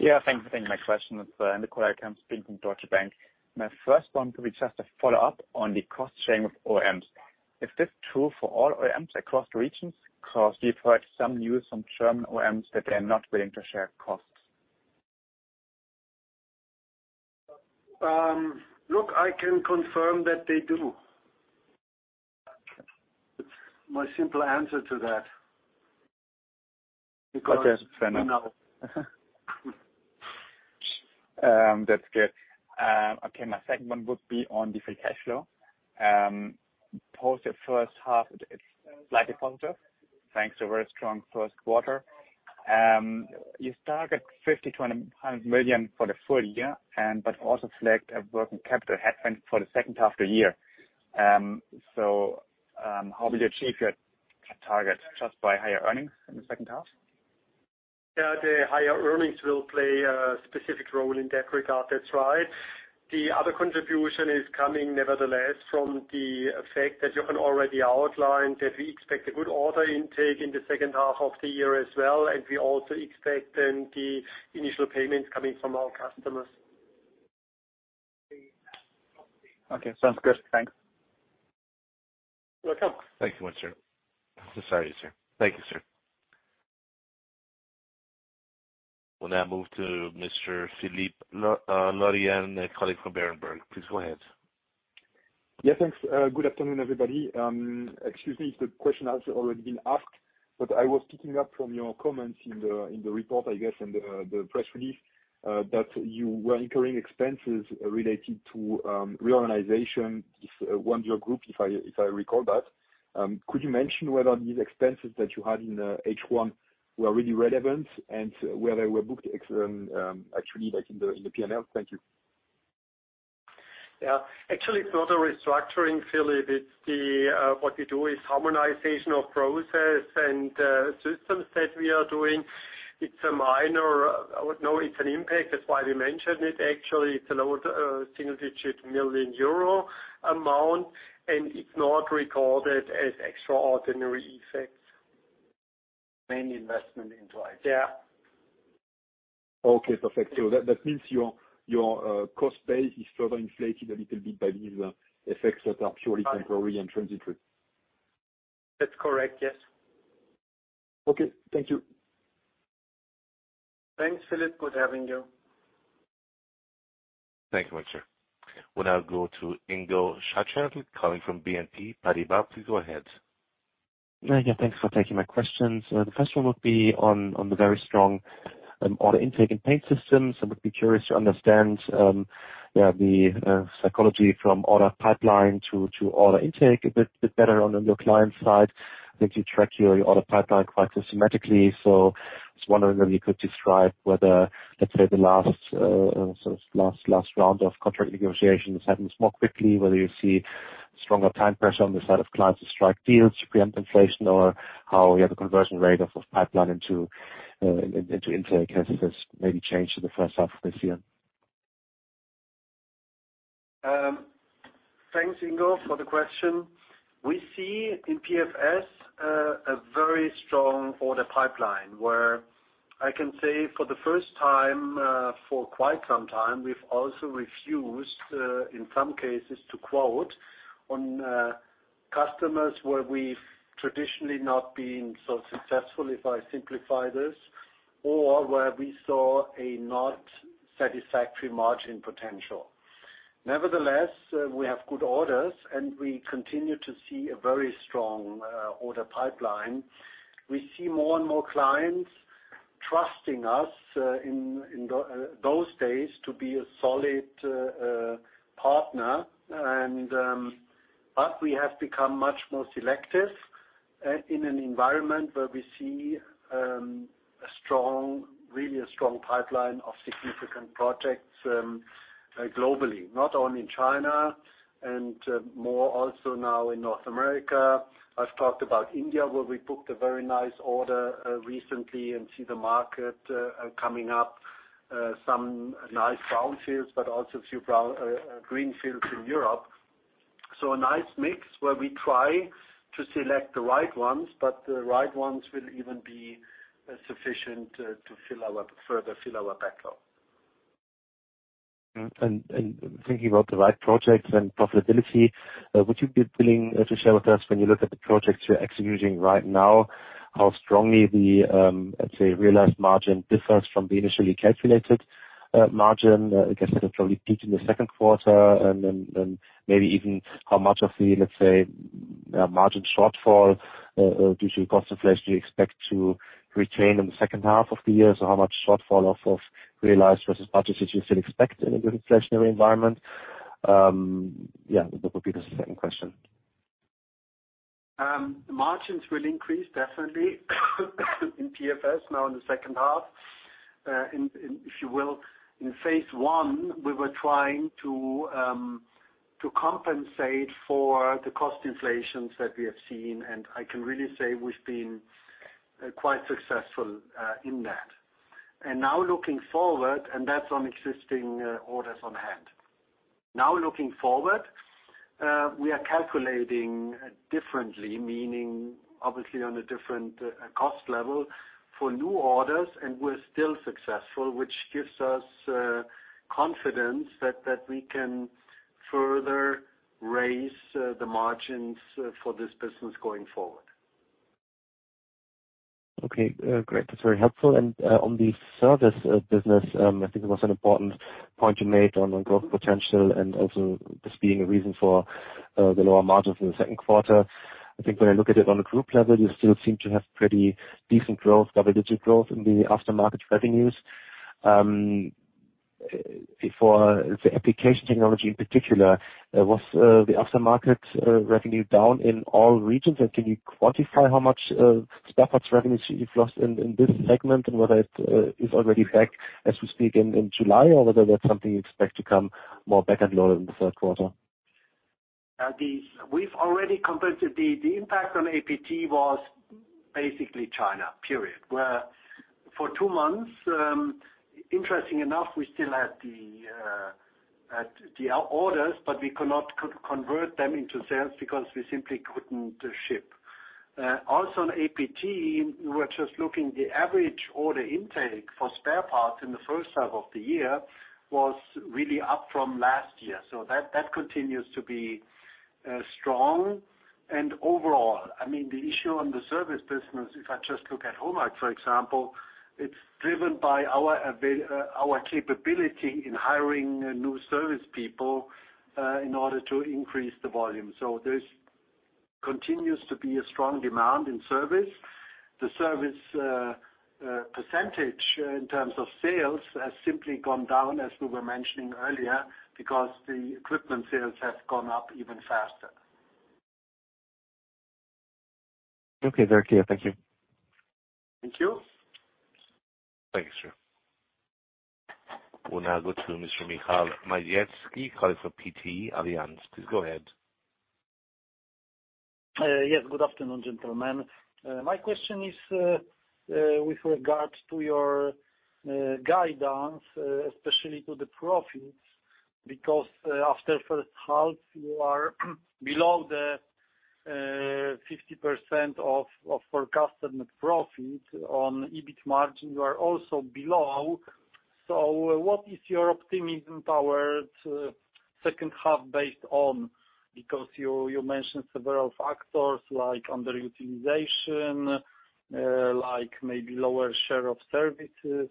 Yeah. Thank you for taking my question. It's Nicolai Kempf, calling from Deutsche Bank. My first one will be just a follow-up on the cost sharing with OEMs. Is this true for all OEMs across the regions? Because we've heard some news from German OEMs that they are not willing to share costs. Look, I can confirm that they do. Okay. It's my simple answer to that. Gotcha. Fair enough. You know. That's good. Okay, my second one would be on the free cash flow. After the first half, it's slightly positive, thanks to a very strong first quarter. You target 50 million-100 million for the full year, but also expect a working capital headwind for the second half of the year. How will you achieve your targets? Just by higher earnings in the second half? Yeah. The higher earnings will play a specific role in that regard. That's right. The other contribution is coming nevertheless from the effect that you can already outline, that we expect a good order intake in the second half of the year as well, and we also expect then the initial payments coming from our customers. Okay. Sounds good. Thanks. You're welcome. Thank you much, sir. So sorry, sir. Thank you, sir. We'll now move to Mr. Philippe Lorrain, calling from Berenberg. Please go ahead. Yeah, thanks. Good afternoon, everybody. Excuse me if the question has already been asked, but I was picking up from your comments in the report, I guess, and the press release, that you were incurring expenses related to reorganization of One Dürr Group, if I recall that. Could you mention whether these expenses that you had in H1 were really relevant and whether they were booked actually like in the P&L? Thank you. Yeah. Actually, it's not a restructuring, Philippe. It's what we do is harmonization of process and systems that we are doing. I would note it's an impact, that's why we mentioned it actually. It's a low single-digit million EUR amount, and it's not recorded as extraordinary effects. Main investment into IT. Yeah. Okay, perfect. That means your cost base is further inflated a little bit by these effects that are purely temporary and transitory. That's correct, yes. Okay, thank you. Thanks, Philippe. Good having you. Thank you, Weyrauch. We'll now go to Ingo Schachel calling from BNP Paribas. Please go ahead. Yeah, thanks for taking my questions. The first one would be on the very strong order intake and paint systems. I would be curious to understand the psychology from order pipeline to order intake a bit better on the new client side. I think you track your order pipeline quite systematically. I was wondering whether you could describe whether, let's say, the last sort of round of contract negotiations happens more quickly, whether you see stronger time pressure on the side of clients to strike deals to preempt inflation, or how the conversion rate of pipeline into intake has maybe changed in the first half of this year. Thanks Ingo for the question. We see in PFS a very strong order pipeline where I can say for the first time for quite some time we've also refused in some cases to quote on customers where we've traditionally not been so successful, if I simplify this, or where we saw a not satisfactory margin potential. Nevertheless, we have good orders, and we continue to see a very strong order pipeline. We see more and more clients trusting us in those days to be a solid partner. We have become much more selective in an environment where we see a strong, really a strong pipeline of significant projects globally, not only in China and more also now in North America. I've talked about India, where we booked a very nice order recently and see the market coming up, some nice brownfields, but also few greenfields in Europe. A nice mix where we try to select the right ones, but the right ones will even be sufficient to further fill our backlog. Thinking about the right projects and profitability, would you be willing to share with us when you look at the projects you're executing right now, how strongly the, let's say, realized margin differs from the initially calculated, margin? I guess that'll probably peak in the second quarter. Maybe even how much of the, let's say, margin shortfall due to cost inflation, do you expect to retain in the second half of the year? How much shortfall of realized versus budgets that you still expect in a good inflationary environment? Yeah, that would be the second question. Margins will increase definitely in PFS now in the second half. If you will, in phase one, we were trying to compensate for the cost inflations that we have seen, and I can really say we've been quite successful in that. Now looking forward, that's on existing orders on hand. Now looking forward, we are calculating differently, meaning obviously on a different cost level for new orders, and we're still successful, which gives us confidence that we can further raise the margins for this business going forward. Okay, great. That's very helpful. On the service business, I think it was an important point you made on the growth potential and also this being a reason for the lower margin for the second quarter. I think when I look at it on a group level, you still seem to have pretty decent growth, double-digit growth in the aftermarket revenues. For the Application Technology in particular, was the aftermarket revenue down in all regions? And can you quantify how much spare parts revenues you've lost in this segment and whether it is already back as we speak in July, or whether that's something you expect to come more back later in the third quarter? We've already compensated. The impact on APT was basically China, period. Where for two months, interesting enough, we still had the orders, but we could not convert them into sales because we simply couldn't ship. Also on APT, we're just looking the average order intake for spare parts in the first half of the year was really up from last year. That continues to be strong. Overall, I mean, the issue on the service business, if I just look at HOMAG, for example, it's driven by our capability in hiring new service people in order to increase the volume. There's continues to be a strong demand in service. The service percentage in terms of sales has simply gone down, as we were mentioning earlier, because the equipment sales has gone up even faster. Okay. Very clear. Thank you. Thank you. Thanks. We'll now go to Mr. Michał Małecki, calling for PTE Allianz. Please go ahead. Yes, good afternoon, gentlemen. My question is with regards to your guidance, especially to the profits, because after first half, you are below the 50% of forecasted net profit. On EBIT margin, you are also below. What is your optimism towards second half based on? Because you mentioned several factors like underutilization, like maybe lower share of services.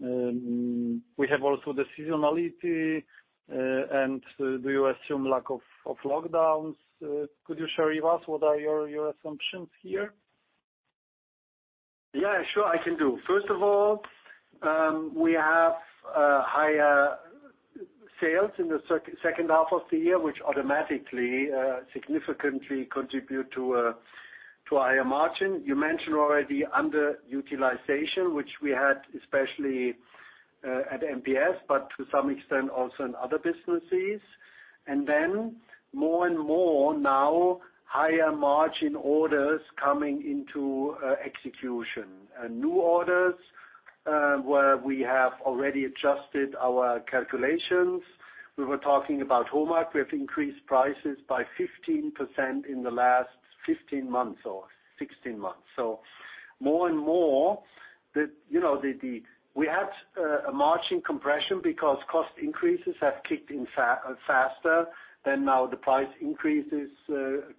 We have also the seasonality, and do you assume lack of lockdowns? Could you share with us what are your assumptions here? Yeah, sure. I can do. First of all, we have higher sales in the second half of the year, which automatically significantly contribute to higher margin. You mentioned already underutilization, which we had especially at MPS, but to some extent also in other businesses. Then more and more now, higher margin orders coming into execution. New orders, where we have already adjusted our calculations. We were talking about HOMAG. We have increased prices by 15% in the last 15 months or 16 months. More and more, you know, we had a margin compression because cost increases have kicked in faster than now the price increases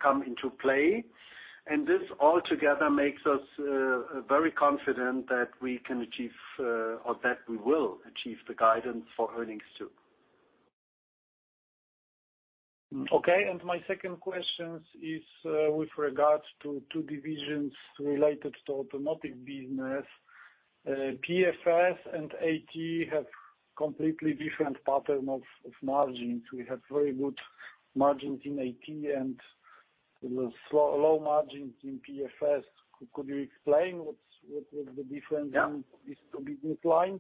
come into play. This all together makes us very confident that we can achieve, or that we will achieve the guidance for earnings too Okay. My second question is with regards to two divisions related to automotive business. PFS and AT have completely different pattern of margins. We have very good margins in AT and low margins in PFS. Could you explain what is the difference? Yeah. In these two business lines?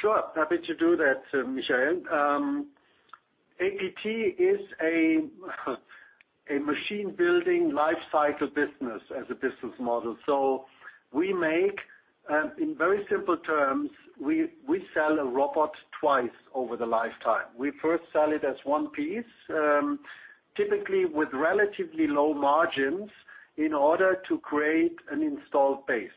Sure. Happy to do that, Michal. APT is a machine building life cycle business as a business model. We make, in very simple terms, we sell a robot twice over the lifetime. We first sell it as one piece, typically with relatively low margins in order to create an installed base.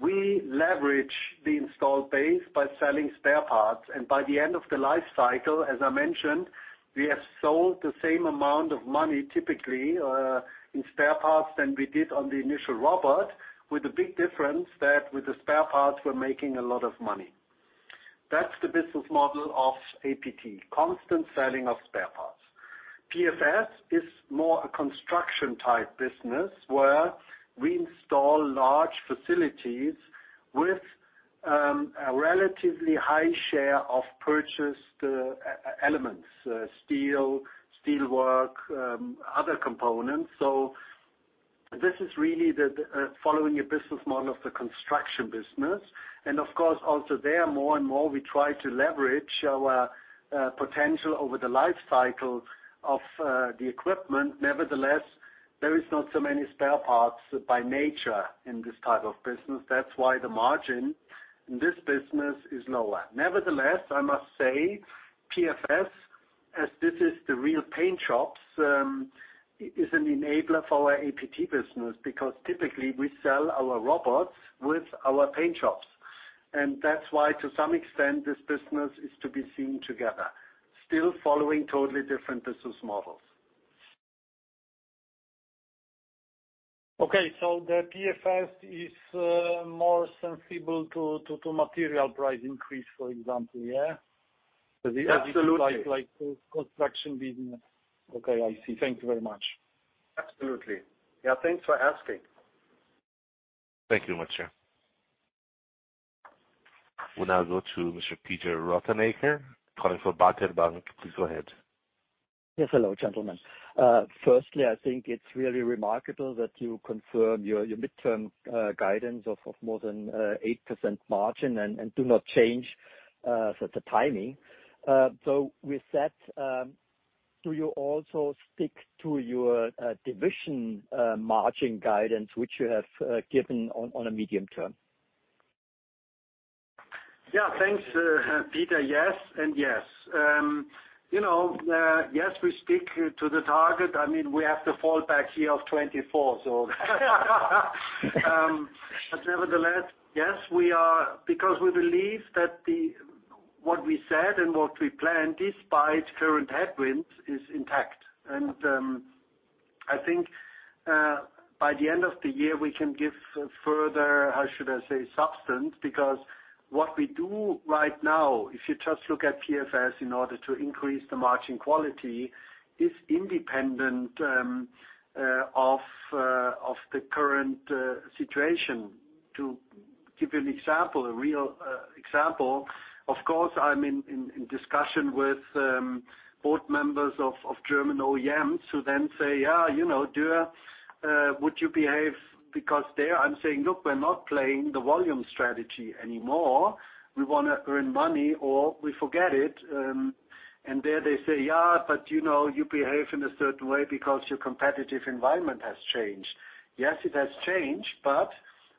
We leverage the installed base by selling spare parts. By the end of the life cycle, as I mentioned, we have sold the same amount of money, typically, in spare parts than we did on the initial robot, with a big difference that with the spare parts, we're making a lot of money. That's the business model of APT, constant selling of spare parts. PFS is more a construction type business, where we install large facilities with a relatively high share of purchased e-elements, steel, steelwork, other components. This is really the following a business model of the construction business. Of course, also there, more and more we try to leverage our potential over the life cycle of the equipment. Nevertheless, there is not so many spare parts by nature in this type of business. That's why the margin in this business is lower. Nevertheless, I must say, PFS, as this is the real paint shops, is an enabler for our APT business, because typically we sell our robots with our paint shops. That's why to some extent this business is to be seen together, still following totally different business models. Okay. The PFS is more sensitive to material price increase, for example, yeah? Absolutely. Like construction business. Okay, I see. Thank you very much. Absolutely. Yeah, thanks for asking. Thank you much, sir. We'll now go to Mr. Peter Rothenaicher, calling for Baader Bank. Please go ahead. Yes. Hello, gentlemen. Firstly, I think it's really remarkable that you confirm your mid-term guidance of more than 8% margin and do not change the timing. With that, do you also stick to your division margin guidance, which you have given on a medium-term? Yeah. Thanks, Peter. Yes and yes. You know, yes, we stick to the target. I mean, we have the fallback year of 2024, so, but nevertheless, yes, we are because we believe that what we said and what we planned despite current headwinds is intact. I think, by the end of the year, we can give further, how should I say, substance because what we do right now, if you just look at PFS in order to increase the margin quality is independent of the current situation. To give you an example, a real example, of course, I'm in discussion with board members of German OEMs who then say, "Yeah, you know, do, would you behave?" Because there I'm saying, "Look, we're not playing the volume strategy anymore. We wanna earn money or we forget it. They say, "Yeah, but you know, you behave in a certain way because your competitive environment has changed." Yes, it has changed, but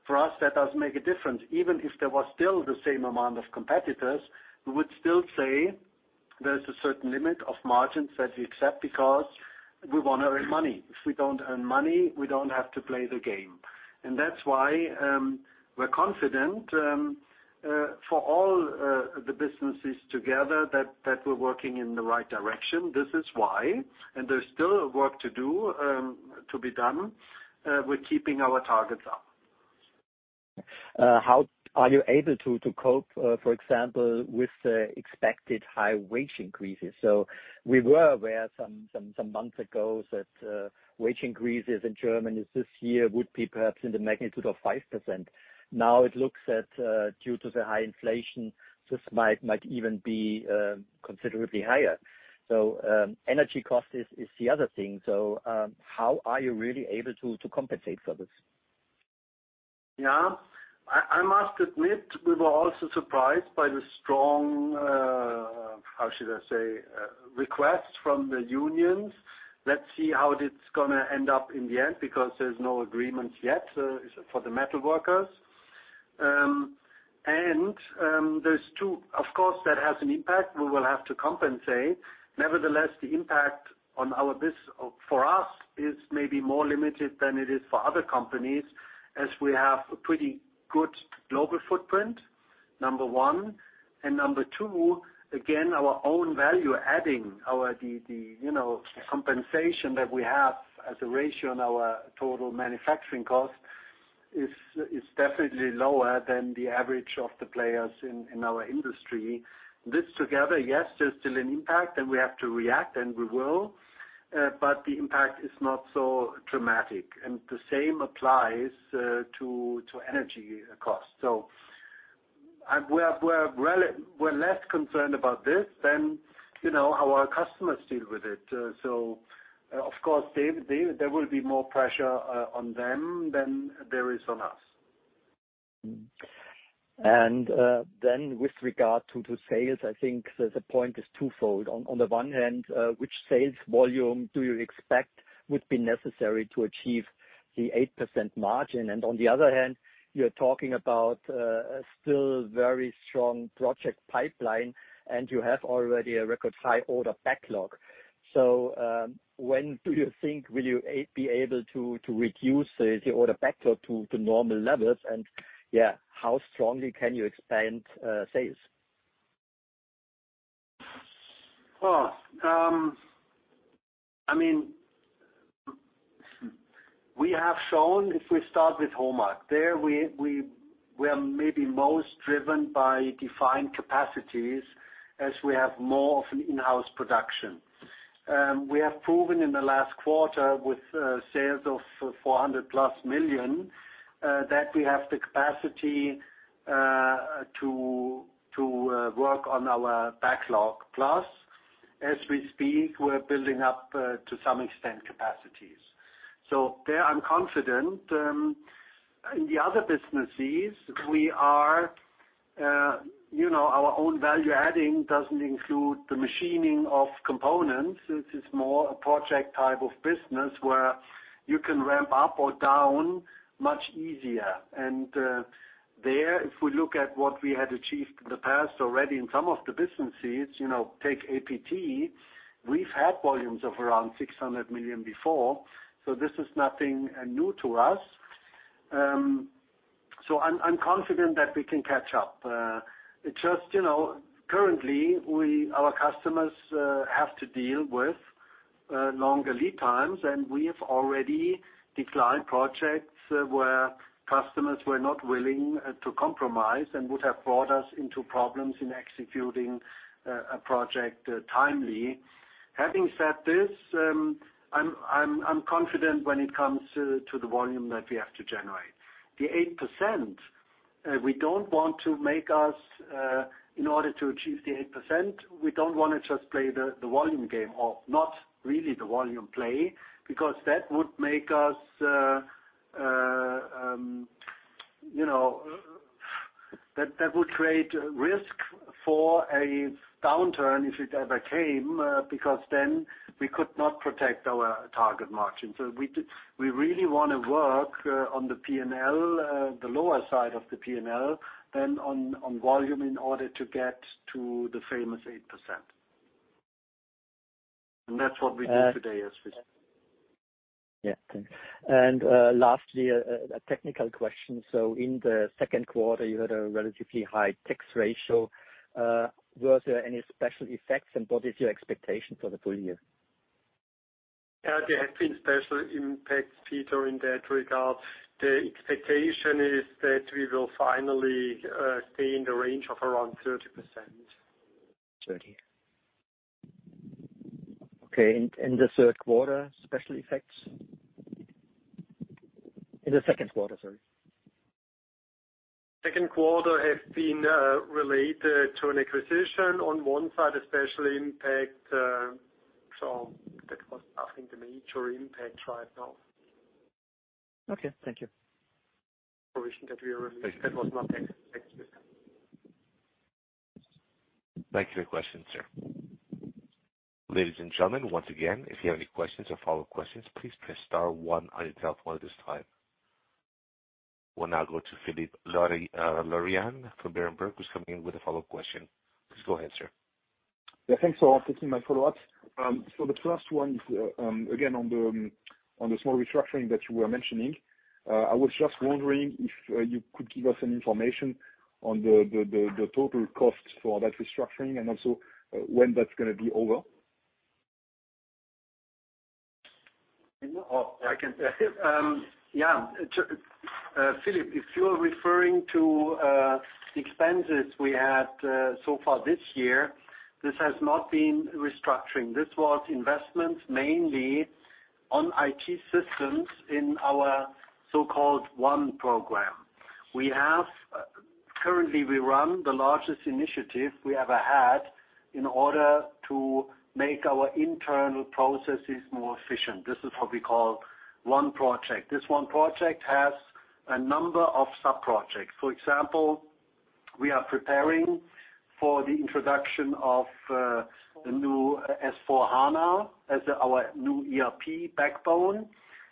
for us, that doesn't make a difference. Even if there was still the same amount of competitors, we would still say there's a certain limit of margins that we accept because we wanna earn money. If we don't earn money, we don't have to play the game. That's why we're confident for all the businesses together that we're working in the right direction. This is why, there's still work to do, to be done, we're keeping our targets up. How are you able to cope, for example, with the expected high wage increases? We were aware some months ago that wage increases in Germany this year would be perhaps in the magnitude of 5%. Now it looks like, due to the high inflation, this might even be considerably higher. Energy costs is the other thing. How are you really able to compensate for this? Yeah. I must admit we were also surprised by the strong, how should I say, request from the unions. Let's see how it's gonna end up in the end because there's no agreement yet for the metal workers. Of course, that has an impact we will have to compensate. Nevertheless, the impact for us is maybe more limited than it is for other companies as we have a pretty good global footprint, number one. Number two, again, our own value adding the, you know, compensation that we have as a ratio on our total manufacturing cost is definitely lower than the average of the players in our industry. This together, yes, there's still an impact, and we have to react, and we will. The impact is not so dramatic, and the same applies to energy costs. We're less concerned about this than, you know, how our customers deal with it. Of course, there will be more pressure on them than there is on us. With regard to sales, I think the point is twofold. On the one hand, which sales volume do you expect would be necessary to achieve the 8% margin? On the other hand, you're talking about a still very strong project pipeline, and you have already a record high order backlog. When do you think will you be able to reduce the order backlog to normal levels? How strongly can you expand sales? I mean, we have shown if we start with HOMAG, there we are maybe most driven by defined capacities as we have more of an in-house production. We have proven in the last quarter with sales of 400+ million that we have the capacity to work on our backlog. Plus, as we speak, we're building up to some extent capacities. There I'm confident. In the other businesses we are, you know, our own value adding doesn't include the machining of components. It is more a project type of business where you can ramp up or down much easier. If we look at what we had achieved in the past already in some of the businesses, you know, take APT, we've had volumes of around 600 million before, so this is nothing new to us. I'm confident that we can catch up. It's just, you know, currently our customers have to deal with longer lead times, and we have already declined projects where customers were not willing to compromise and would have brought us into problems in executing a project timely. Having said this, I'm confident when it comes to the volume that we have to generate. The 8%, we don't want to make us, in order to achieve the 8%, we don't wanna just play the volume game or not really the volume play because that would make us, you know, that would create risk for a downturn if it ever came, because then we could not protect our target margin. We really wanna work on the P&L, the lower side of the P&L than on volume in order to get to the famous 8%. That's what we do today as Yeah. Lastly, a technical question. In the second quarter, you had a relatively high tax ratio. Were there any special effects, and what is your expectation for the full year? Yeah, there have been special impacts, Peter, in that regard. The expectation is that we will finally stay in the range of around 30%. 30. Okay. In the third quarter, special effects? In the second quarter, sorry. Second quarter has been related to an acquisition on one side, a special impact, so that was, I think, the major impact right now. Okay, thank you. Provision that we released. That was not tax effect. Thank you for your question, sir. Ladies and gentlemen, once again, if you have any questions or follow questions, please press star one on your telephone at this time. We'll now go to Philippe Lorrain from Berenberg, who's coming in with a follow question. Please go ahead, sir. Yeah, thanks for taking my follow-up. The first one is, again, on the small restructuring that you were mentioning. I was just wondering if you could give us some information on the total cost for that restructuring and also when that's gonna be over. Philippe, if you are referring to the expenses we had so far this year, this has not been restructuring. This was investments mainly on IT systems in our so-called One program. Currently, we run the largest initiative we ever had in order to make our internal processes more efficient. This is what we call One project. This One project has a number of sub-projects. For example, we are preparing for the introduction of the new S/4HANA as our new ERP backbone.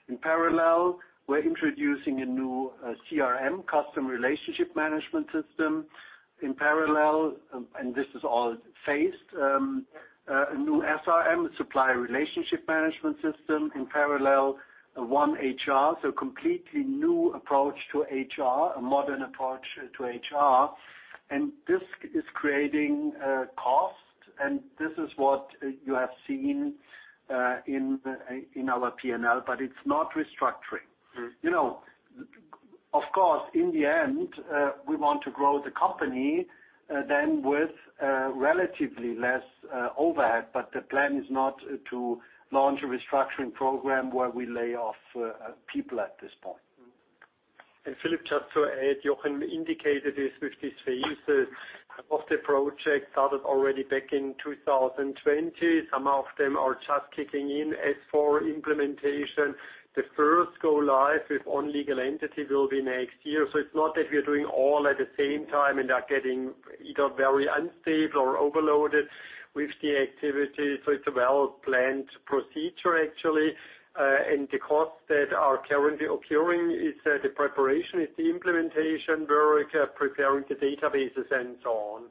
In parallel, we're introducing a new CRM, customer relationship management system. In parallel, and this is all phased, a new SRM, supplier relationship management system. In parallel, One HR, so completely new approach to HR, a modern approach to HR. This is creating costs, and this is what you have seen in our P&L, but it's not restructuring. Mm-hmm. You know, of course, in the end, we want to grow the company then with relatively less overhead, but the plan is not to launch a restructuring program where we lay off people at this point. Mm-hmm. Philippe, just to add, Jochen indicated this with these phases of the project, started already back in 2020. Some of them are just kicking in. As for implementation, the first go live with one legal entity will be next year. It's not that we're doing all at the same time and are getting either very unstable or overloaded with the activity. It's a well-planned procedure actually. The costs that are currently occurring is the preparation, it's the implementation. We're preparing the databases and so on.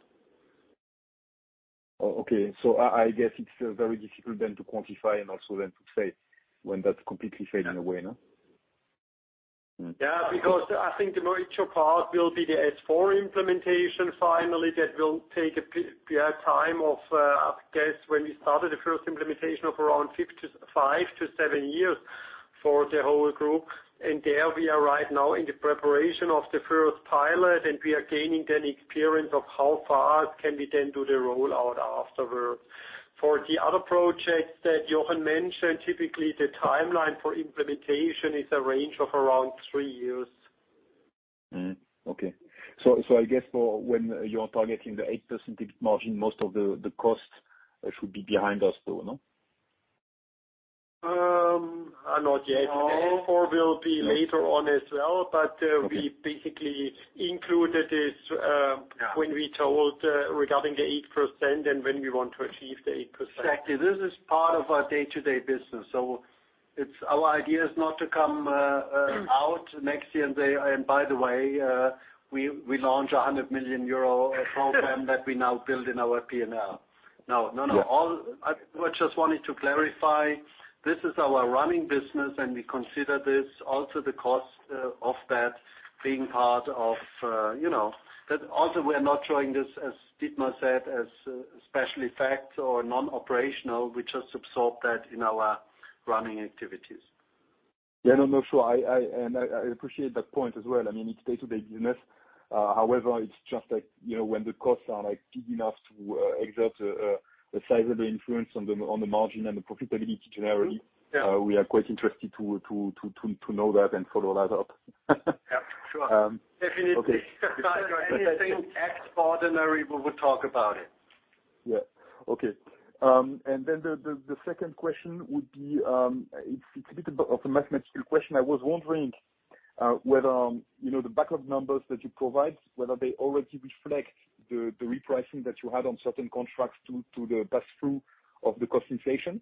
Oh, okay. I guess it's very difficult then to quantify and also then to say when that's completely fading away, no? Mm-hmm. Yeah, because I think the major part will be the S/4 implementation finally that will take a prep time of, I guess, when we started the first implementation of around five to seven years for the whole group. There we are right now in the preparation of the first pilot, and we are gaining then experience of how fast can we then do the rollout afterward. For the other projects that Jochen mentioned, typically the timeline for implementation is a range of around three years. Mm-hmm. Okay. I guess for when you are targeting the 8% margin, most of the cost should be behind us, though, no? Not yet. S/4 will be later on as well, but we basically included this when we told regarding the 8% and when we want to achieve the 8%. Exactly. This is part of our day-to-day business. Our idea is not to come out next year and say, "And by the way, we launched a 100 million euro program that we now build in our P&L." No. Yeah. We just wanted to clarify, this is our running business, and we consider this also the cost of that being part of, you know. Also we are not showing this, as Dietmar said, as special effects or non-operational. We just absorb that in our running activities. Yeah. No, no, sure. I appreciate that point as well. I mean, it's day-to-day business. However, it's just like, you know, when the costs are, like, big enough to exert a sizable influence on the margin and the profitability generally. Mm-hmm. Yeah We are quite interested to know that and follow that up. Yeah, sure. Okay. Definitely. If there's anything extraordinary, we will talk about it. Yeah. Okay. The second question would be, it's a bit of a mathematical question. I was wondering whether, you know, the backlog numbers that you provide, whether they already reflect the repricing that you had on certain contracts to the pass-through of the cost inflation?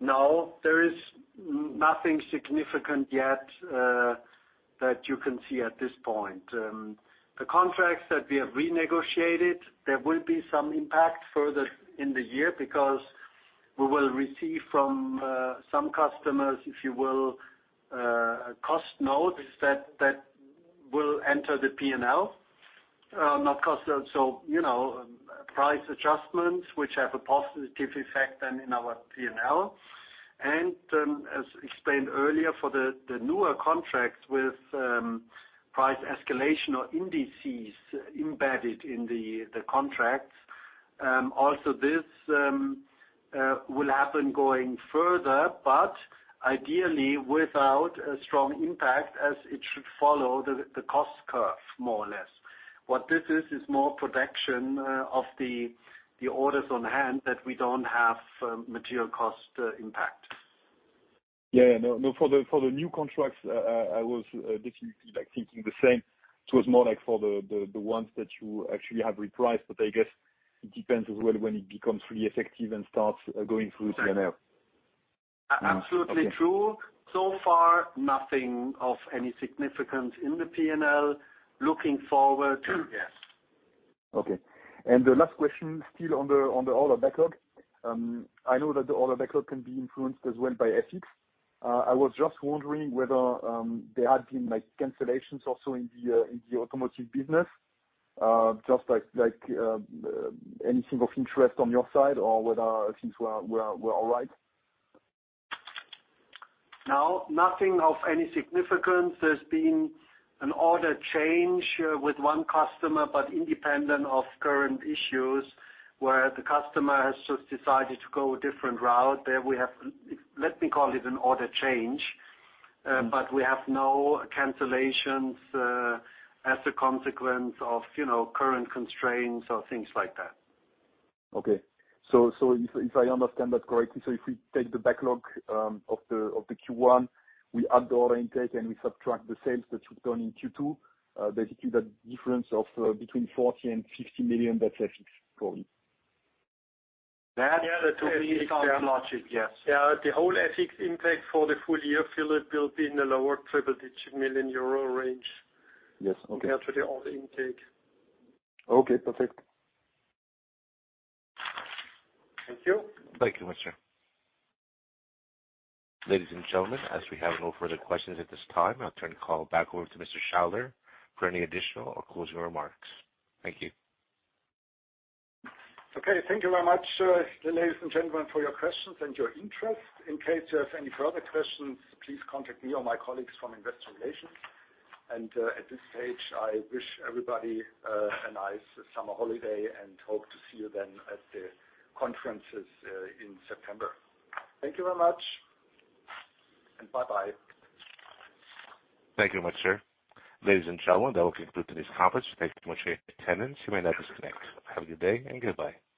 No, there is nothing significant yet that you can see at this point. The contracts that we have renegotiated, there will be some impact further in the year because we will receive from some customers, if you will, cost notes that will enter the P&L. So, you know, price adjustments, which have a positive effect then in our P&L. As explained earlier for the newer contracts with price escalation or indices embedded in the contracts. Also this will happen going further, but ideally without a strong impact as it should follow the cost curve more or less. What this is more protection of the orders on hand that we don't have material cost impact. Yeah. No, no. For the new contracts I was definitely like thinking the same. It was more like for the ones that you actually have repriced, but I guess it depends as well when it becomes really effective and starts going through P&L. Absolutely true. So far, nothing of any significance in the P&L. Looking forward, yes. Okay. The last question still on the order backlog. I know that the order backlog can be influenced as well by FX. I was just wondering whether there had been like cancellations also in the automotive business. Just like anything of interest on your side or whether things were all right. No, nothing of any significance. There's been an order change with one customer, but independent of current issues, where the customer has just decided to go a different route. There we have, let me call it an order change. We have no cancellations, as a consequence of, you know, current constraints or things like that. If I understand that correctly, if we take the backlog of the Q1, we add the order intake, and we subtract the sales that we've done in Q2, basically the difference between 40 million and 50 million, that's FX going. That-Yeah. That would be the logic, yes. The whole FX impact for the full year, Philippe, will be in the lower triple-digit million euro range. Yes. Okay. Compared to the order intake. Okay, perfect. Thank you. Thank you, mister. Ladies and gentlemen, as we have no further questions at this time, I'll turn the call back over to Mr. Jochen Weyrauch for any additional or closing remarks. Thank you. Okay. Thank you very much, ladies and gentlemen, for your questions and your interest. In case you have any further questions, please contact me or my colleagues from Investor Relations. At this stage, I wish everybody a nice summer holiday and hope to see you then at the conferences in September. Thank you very much and bye-bye. Thank you very much, sir. Ladies and gentlemen, that will conclude today's conference. Thank you for your attendance. You may now disconnect. Have a good day and goodbye.